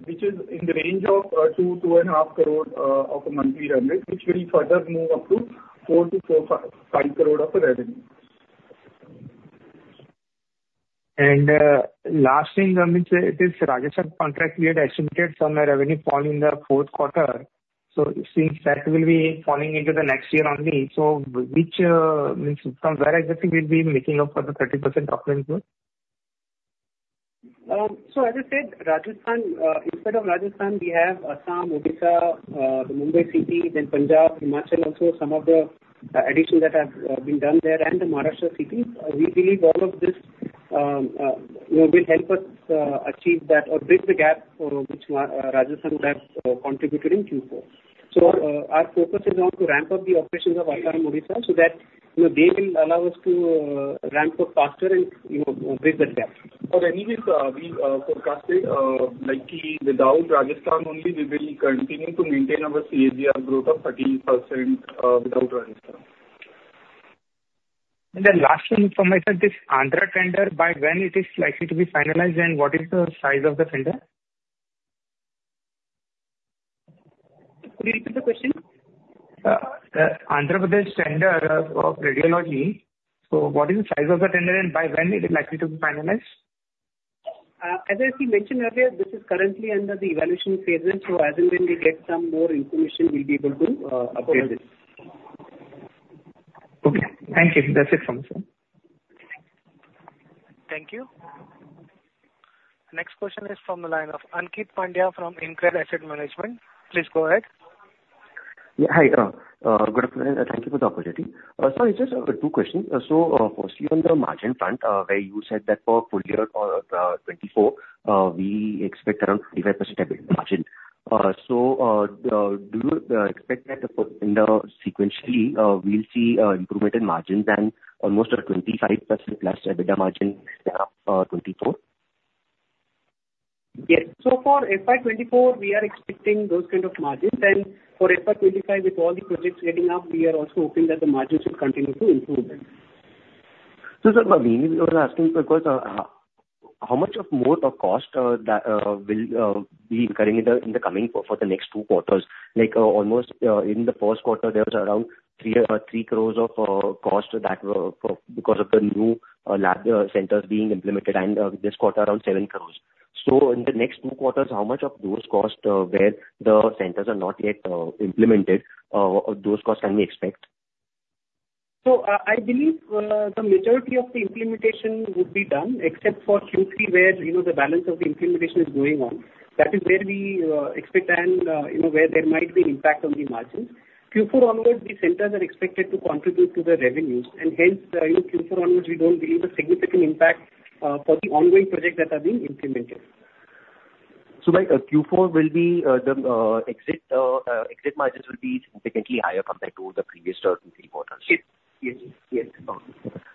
E: which is in the range of 2-2.5 crore of a monthly run rate, which will further move up to 4-5 crore of the revenue.
L: Last thing, it is Rajasthan contract. We had estimated some revenue fall in the fourth quarter, so it seems that will be falling into the next year only. So, which means from where exactly we'll be making up for the 30% of revenue?
D: So as I said, Rajasthan, instead of Rajasthan, we have Assam, Odisha, the Mumbai City, then Punjab, Himachal also, some of the additions that have been done there, and the Maharashtra cities. We believe all of this, you know, will help us achieve that or bridge the gap for which Rajasthan has contributed in Q4. So, our focus is now to ramp up the operations of Assam, Odisha, so that, you know, they will allow us to ramp up faster and, you know, bridge that gap.
E: But anyways, we forecasted, like without Rajasthan only, we will continue to maintain our CAGR growth of 30%, without Rajasthan.
L: Last one from my side, this Andhra tender, by when it is likely to be finalized, and what is the size of the tender?
D: Could you repeat the question?
L: Andhra Pradesh tender for radiology. So what is the size of the tender, and by when it is likely to be finalized?
D: As I mentioned earlier, this is currently under the evaluation phases, so as and when we get some more information, we'll be able to update this.
L: Okay, thank you. That's it from me, sir.
A: Thank you. The next question is from the line of Ankeet Pandya from InCred Asset Management. Please go ahead.
M: Yeah. Hi, good afternoon, and thank you for the opportunity. So it's just two questions. So, firstly, on the margin front, where you said that for full year 2024, we expect around 55% EBITDA margin. So, do you expect that in the sequentially, we'll see improvement in margins and almost a 25%+ EBITDA margin in 2024?
D: Yes. So for FY 2024, we are expecting those kind of margins. For FY 2025, with all the projects getting up, we are also hoping that the margins will continue to improve then.
M: So, sir, but we were asking because how much more the cost that will be incurring in the coming for the next 2 quarters? Like, almost in the first quarter, there was around 3 crore of cost that were for because of the new lab centers being implemented and this quarter around 7 crore. So in the next 2 quarters, how much of those costs where the centers are not yet implemented those costs can we expect?
D: So, I believe the majority of the implementation would be done except for Q3, where, you know, the balance of the implementation is going on. That is where we expect and, you know, where there might be impact on the margins. Q4 onwards, the centers are expected to contribute to the revenues, and hence, in Q4 onwards, we don't believe a significant impact for the ongoing projects that are being implemented.
M: So like, Q4 will be the exit margins will be significantly higher compared to the previous three quarters?
D: Yes. Yes, yes.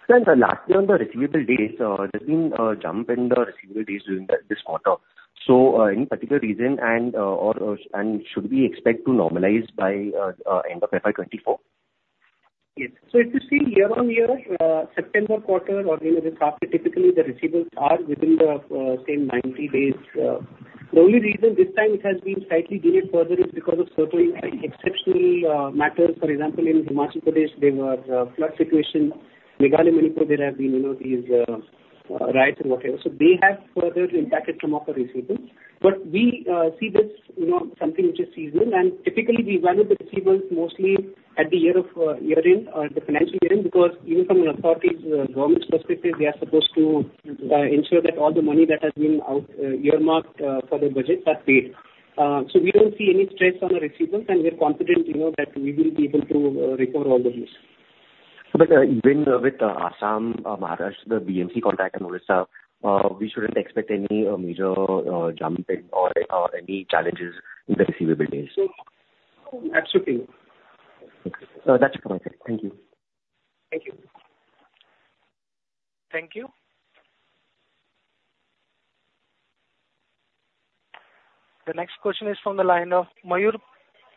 M: And lastly, on the receivable days, there's been a jump in the receivable days during this quarter. So, any particular reason and, or, and should we expect to normalize by end of FY 2024?
D: Yes. So if you see year-on-year, September quarter or, you know, the quarter, typically the receivables are within the, say, 90 days. The only reason this time it has been slightly delayed further is because of certain exceptional matters. For example, in Himachal Pradesh, there were flood situation. Meghalaya, Manipur, there have been, you know, these riots and whatever. So they have further impacted some of the receivables. But we see this, you know, something which is seasonal, and typically, we value the receivables mostly at the year-end, the financial year-end, because even from an authority's, government's perspective, they are supposed to ensure that all the money that has been out, earmarked, for the budget are paid. We don't see any stress on the receivables, and we're confident, you know, that we will be able to recover all the dues.
M: So, but, even with Assam, Maharashtra, the BMC contract and Odisha, we shouldn't expect any major jump in or any challenges in the receivable days?
D: No, absolutely.
M: Okay. That's it from my side. Thank you.
D: Thank you.
A: Thank you. The next question is from the line of Mayur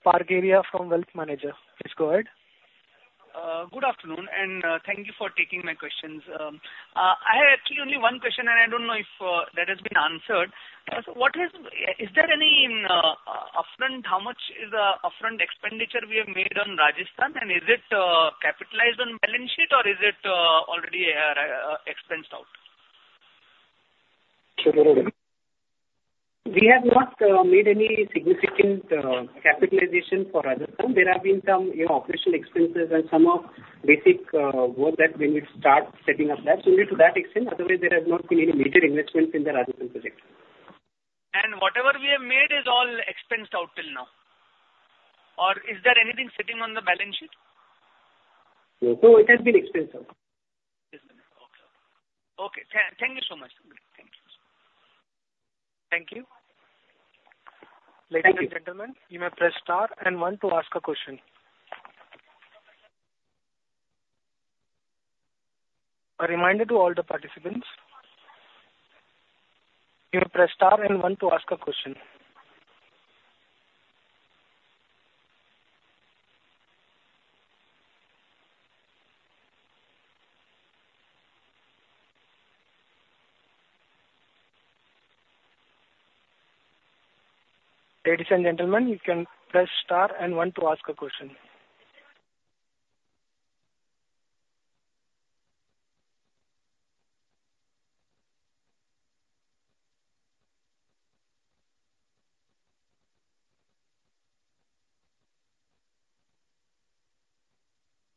A: Parkaria from Wealth Managers. Please go ahead.
N: Good afternoon, and thank you for taking my questions. I have actually only one question, and I don't know if that has been answered. So what has... Is there any upfront, how much is upfront expenditure we have made on Rajasthan? And is it capitalized on balance sheet, or is it already expensed out?
D: We have not made any significant capitalization for Rajasthan. There have been some, you know, operational expenses and some of basic work that we need to start setting up labs. Only to that extent, otherwise, there has not been any major investments in the Rajasthan project.
N: Whatever we have made is all expensed out till now, or is there anything sitting on the balance sheet?
D: No, it has been expensed out.
N: Yes, ma'am. Okay. Thank you so much. Thank you.
A: Thank you.
N: Thank you.
A: Ladies and gentlemen, you may press star and one to ask a question. A reminder to all the participants, you may press star and one to ask a question. Ladies and gentlemen, you can press star and one to ask a question.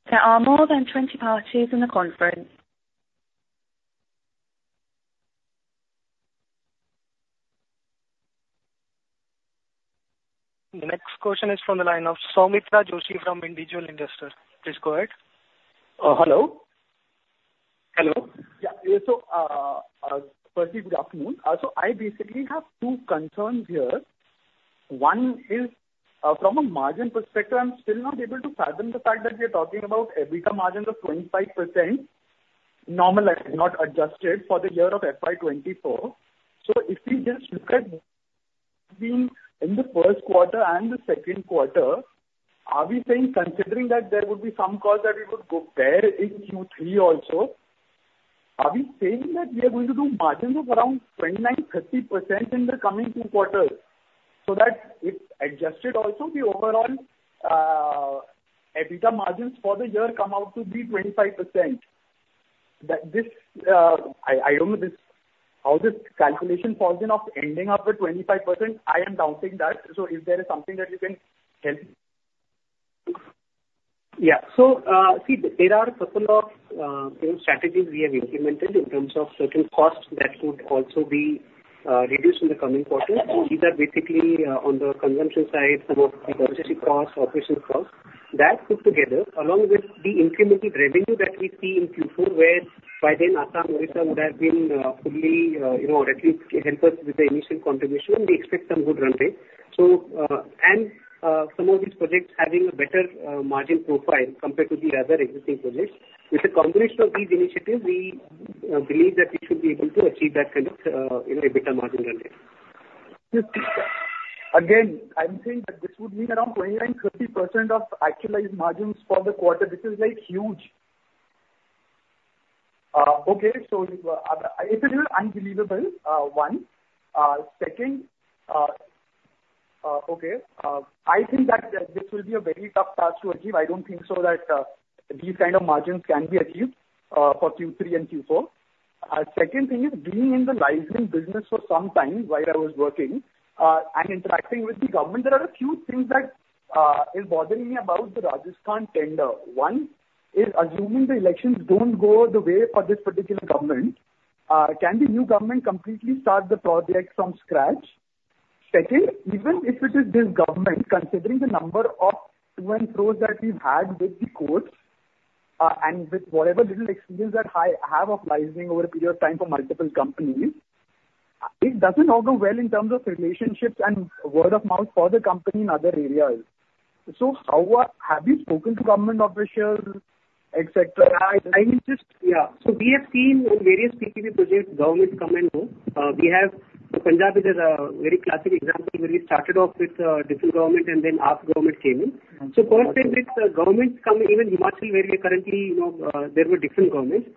M: There are more than 20 parties in the conference.
A: The next question is from the line of Soumitra Joshi from Individual Investor. Please go ahead.
O: Hello? Hello. Yeah, so, firstly, good afternoon. So I basically have two concerns here. One is, from a margin perspective, I'm still not able to fathom the fact that we are talking about EBITDA margins of 25%, normalized, not adjusted, for the year of FY 2024. So if we just look at being in the first quarter and the second quarter, are we saying, considering that there would be some costs that we would go bear in Q3 also, are we saying that we are going to do margins of around 29%-30% in the coming two quarters? So that if adjusted also, the overall EBITDA margins for the year come out to be 25%. That this, I, I don't know this, how this calculation falls in of ending up at 25%, I am doubting that. So, if there is something that you can help me?
D: Yeah. So, see, there are couple of, you know, strategies we have implemented in terms of certain costs that could also be reduced in the coming quarter. These are basically on the consumption side, some of the purchasing costs, operational costs. That put together, along with the incremental revenue that we see in Q4, where by then Assam, Odisha would have been fully, you know, or at least help us with the initial contribution, we expect some good run rate. So, and some of these projects having a better margin profile compared to the other existing projects. With a combination of these initiatives, we believe that we should be able to achieve that kind of, you know, EBITDA margin run rate.
O: Again, I'm saying that this would mean around 29%-30% of actualized margins for the quarter. This is, like, huge! Okay, so, it is unbelievable, one. Second, okay, I think that this will be a very tough task to achieve. I don't think so that these kind of margins can be achieved for Q3 and Q4. Second thing is, being in the licensing business for some time while I was working and interacting with the government, there are a few things that is bothering me about the Rajasthan tender. One, is assuming the elections don't go the way for this particular government, can the new government completely start the project from scratch? Second, even if it is this government, considering the number of event flows that we've had with the courts, and with whatever little experience that I have of licensing over a period of time for multiple companies, it doesn't augur well in terms of relationships and word of mouth for the company in other areas. So how are... Have you spoken to government officials, et cetera?
D: I mean, yeah. So we have seen in various PPP projects, governments come and go. We have, so Punjab is a very classic example, where we started off with different government and then our government came in.
O: Mm-hmm.
D: So first time with governments coming, even Himachal, where we are currently, you know, there were different governments.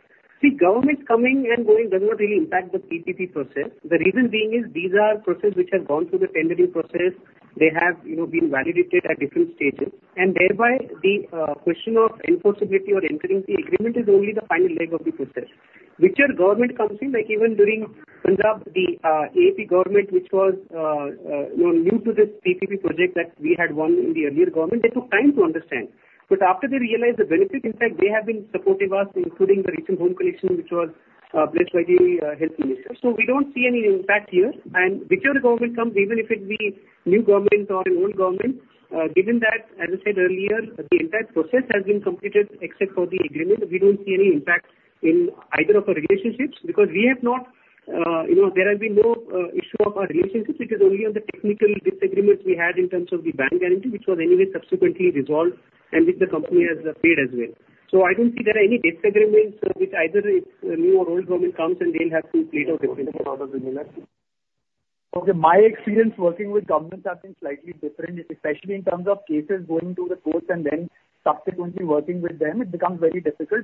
D: See, governments coming and going does not really impact the PPP process. The reason being is these are process which have gone through the tendering process. They have, you know, been validated at different stages, and thereby, the question of enforceability or entering the agreement is only the final leg of the process. Whichever government comes in, like even during Punjab, the AP government, which was, you know, new to this PPP project that we had won in the earlier government, they took time to understand. But after they realized the benefit, in fact, they have been supportive us, including the recent home collection, which was blessed by the health minister. So we don't see any impact here. Whichever government comes, even if it be new government or an old government, given that, as I said earlier, the entire process has been completed except for the agreement, we don't see any impact in either of our relationships, because we have not, you know, there have been no issue of our relationships. It is only on the technical disagreements we had in terms of the bank guarantee, which was anyway subsequently resolved, and which the company has paid as well. So I don't see there are any disagreements which either it's a new or old government comes, and they'll have to play those out as well.
J: Okay. My experience working with governments have been slightly different, especially in terms of cases going to the courts and then subsequently working with them, it becomes very difficult.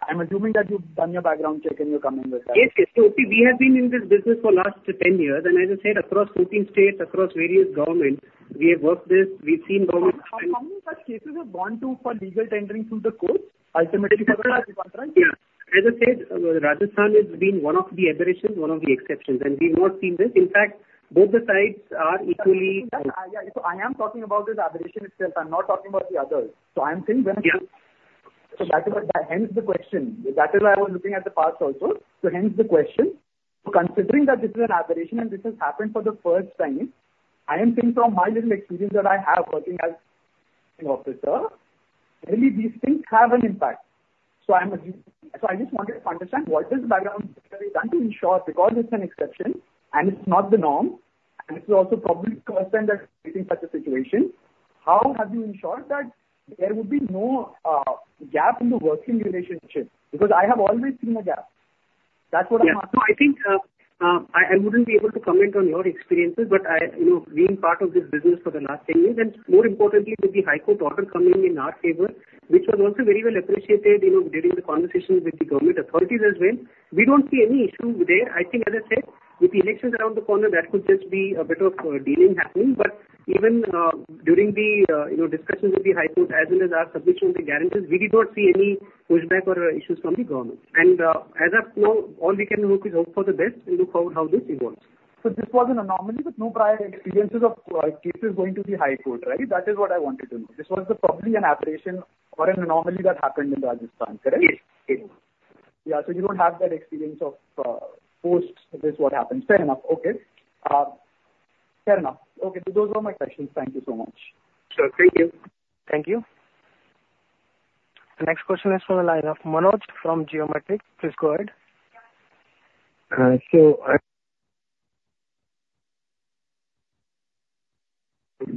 J: But I'm assuming that you've done your background check and you're coming with that.
D: Yes, yes. So, see, we have been in this business for last 10 years, and as I said, across 14 states, across various governments, we have worked this, we've seen government-
O: How many such cases have gone to for legal tendering through the courts? Ultimately-
D: Yeah. As I said, Rajasthan has been one of the aberrations, one of the exceptions, and we've not seen this. In fact, both the sides are equally-
O: Yeah, so I am talking about this aberration itself. I'm not talking about the others. So I'm saying when-
D: Yeah.
O: So that is why, hence the question. That is why I was looking at the past also, so hence the question. So considering that this is an aberration and this has happened for the first time, I am saying from my little experience that I have working as officer, really, these things have an impact. So I just wanted to understand, what is the background check that you've done to ensure, because this is an exception, and it's not the norm, and it will also probably concern that in such a situation, how have you ensured that there would be no gap in the working relationship? Because I have always seen a gap. That's what I'm asking.
D: Yeah. No, I think I wouldn't be able to comment on your experiences, but you know, being part of this business for the last 10 years, and more importantly, with the High Court order coming in our favor, which was also very well appreciated, you know, during the conversations with the government authorities as well, we don't see any issue there. I think, as I said, with the elections around the corner, there could just be a bit of dealing happening. But even during the, you know, discussions with the High Court, as well as our submission of the guarantees, we did not see any pushback or issues from the government. And as of now, all we can hope is hope for the best and look out how this evolves.
O: So this was an anomaly with no prior experiences of cases going to the High Court, right? That is what I wanted to know. This was a probably an aberration or an anomaly that happened in Rajasthan, correct?
D: Yes. It is.
O: Yeah. So you don't have that experience of post this what happened. Fair enough. Okay, fair enough. Okay, so those are my questions. Thank you so much.
D: Sure. Thank you.
A: Thank you. The next question is from the line of Manoj from Geometric. Please go ahead. Hello?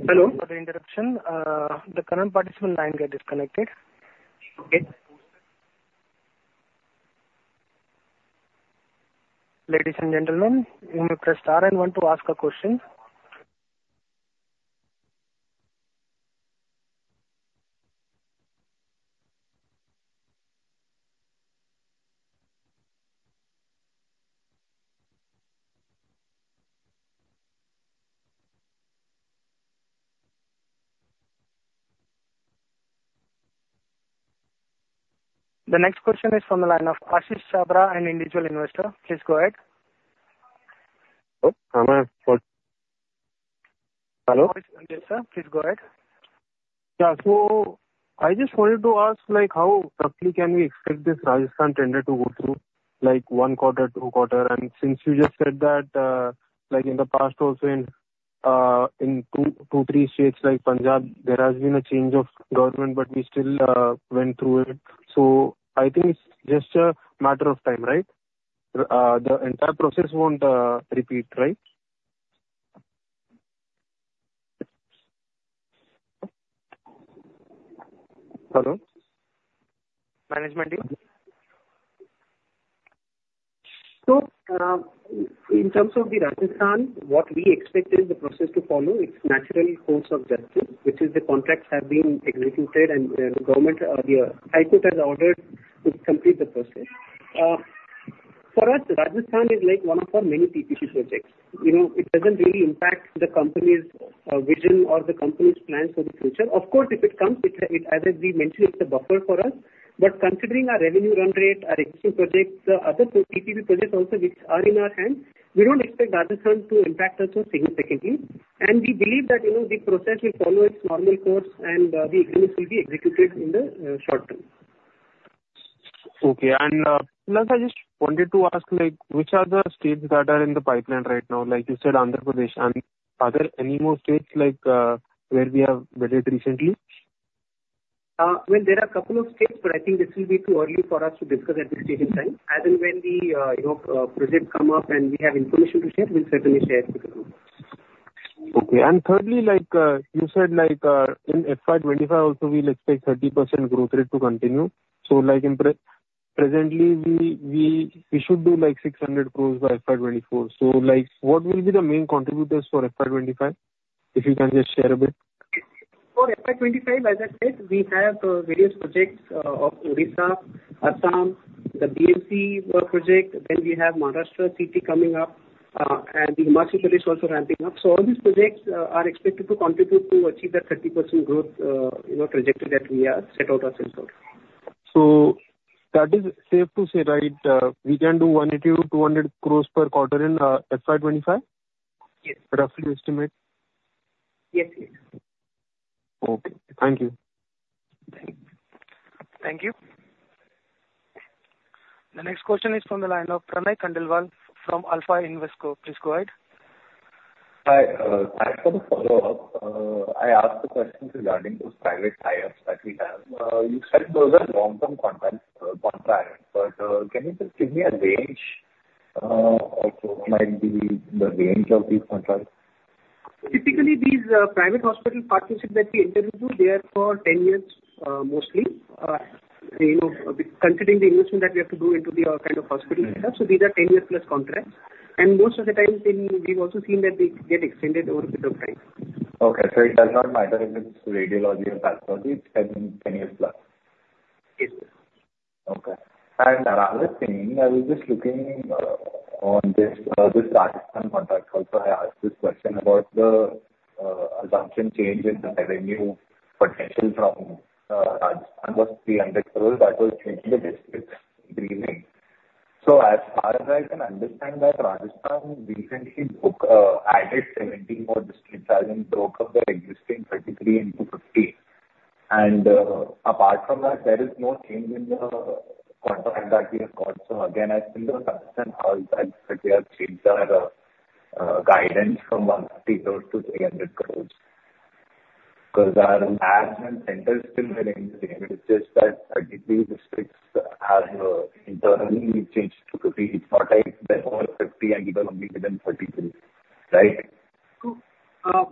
A: Sorry for the interruption. The current participant line get disconnected.
G: Okay.
A: Ladies and gentlemen, you may press star and one to ask a question. The next question is from the line of Ashish Chhabra, an individual investor. Please go ahead.
J: Oh, am I on? Hello?
A: Yes, sir, please go ahead.
J: Yeah. So I just wanted to ask, like, how roughly can we expect this Rajasthan tender to go through, like 1 quarter, 2 quarter? And since you just said that, like in the past also in 2-3 states like Punjab, there has been a change of government, but we still went through it. So I think it's just a matter of time, right? The entire process won't repeat, right? Hello?
A: Management team.
D: In terms of the Rajasthan, what we expect is the process to follow its natural course of justice, which is the contracts have been executed and the government, the high court has ordered to complete the process. For us, Rajasthan is like one of our many PPP projects. You know, it doesn't really impact the company's vision or the company's plans for the future. Of course, if it comes, it as we mentioned, it's a buffer for us. But considering our revenue run rate, our existing projects, the other PPP projects also, which are in our hands, we don't expect Rajasthan to impact us so significantly. And we believe that, you know, the process will follow its normal course and the agreements will be executed in the short term.
J: Okay. And, plus, I just wanted to ask, like, which are the states that are in the pipeline right now, like you said, Andhra Pradesh, and are there any more states like, where we have visited recently?
D: Well, there are a couple of states, but I think this will be too early for us to discuss at this stage in time. As and when the, you know, projects come up and we have information to share, we'll certainly share with the group.
J: Okay. And thirdly, like, you said like, in FY 2025 also, we expect 30% growth rate to continue. So like, presently, we should do like 600 crore by FY 2024. So like, what will be the main contributors for FY 2025? If you can just share a bit.
D: For FY 25, as I said, we have various projects of Odisha, Assam, the BMC project, then we have Maharashtra CT coming up, and the Himachal is also ramping up. So all these projects are expected to contribute to achieve that 30% growth, you know, trajectory that we have set out ourselves.
J: So that is safe to say, right, we can do 180 crore-200 crore per quarter in FY 2025?
D: Yes.
J: Roughly estimate.
D: Yes, yes.
J: Okay. Thank you.
A: Thank you. Thank you. The next question is from the line of Pranay Khandelwal from Alpha Invesco. Please go ahead.
I: Hi, thanks for the follow-up. I asked a question regarding those private tie-ups that we have. You said those are long-term contracts, contracts, but can you just give me a range of what might be the range of these contracts?
D: Typically, these private hospital partnerships that we enter into, they are for 10 years, mostly. You know, considering the investment that we have to do into the kind of hospital setup, so these are 10-year plus contracts, and most of the time, they, we've also seen that they get extended over a bit of time.
I: Okay, so it does not matter if it's radiology or pathology, it's 10, 10 years plus?
D: Yes.
I: Okay. And another thing, I was just looking on this Rajasthan contract. Also, I asked this question about the assumption change in the revenue potential from Rajasthan was 300 crore. That was changed in the district in the beginning. So as far as I can understand that Rajasthan recently added 17 more districts and broke up the existing 33 into 50. And apart from that, there is no change in the contract that we have got. So again, I still don't understand how that they have changed their guidance from 150 crore to 300 crore. Because our bid and tender is still the same, it's just that 33 districts have internally changed to 50. It's not like they're over 50 and even only within 33, right?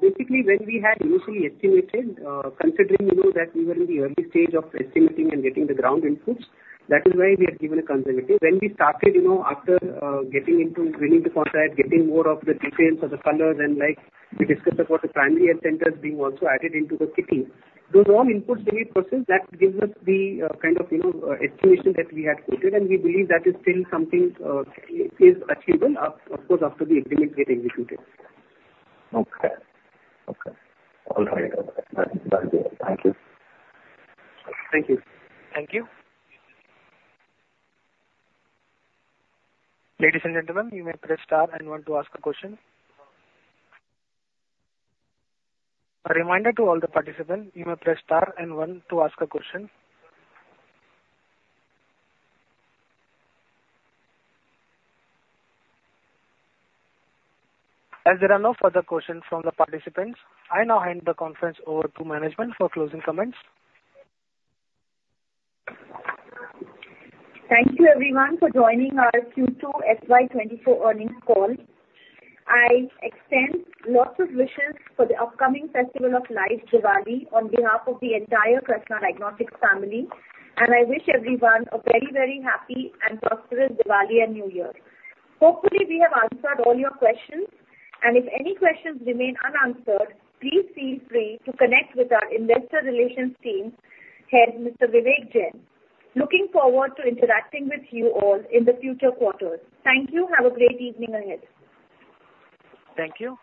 D: Basically, when we had initially estimated, considering, you know, that we were in the early stage of estimating and getting the ground inputs, that is why we had given a conservative. When we started, you know, after getting into winning the contract, getting more of the details or the colors and like we discussed about the primary health centers being also added into the city, those wrong inputs, we need process that gives us the kind of, you know, estimation that we had quoted, and we believe that is still something is achievable, of course, after the agreement get executed.
I: Okay. Okay. All right. Thank you. Thank you.
A: Thank you. Ladies and gentlemen, you may press Star and One to ask a question. A reminder to all the participants, you may press Star and One to ask a question. As there are no further questions from the participants, I now hand the conference over to management for closing comments.
C: Thank you everyone for joining our Q2 FY24 earnings call. I extend lots of wishes for the upcoming festival of lights, Diwali, on behalf of the entire Krsnaa Diagnostics family, and I wish everyone a very, very happy and prosperous Diwali and New Year. Hopefully, we have answered all your questions, and if any questions remain unanswered, please feel free to connect with our investor relations team head, Mr. Vivek Jain. Looking forward to interacting with you all in the future quarters. Thank you. Have a great evening ahead.
A: Thank you.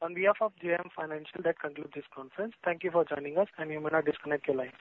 A: On behalf of JM Financial, that concludes this conference. Thank you for joining us, and you may now disconnect your lines.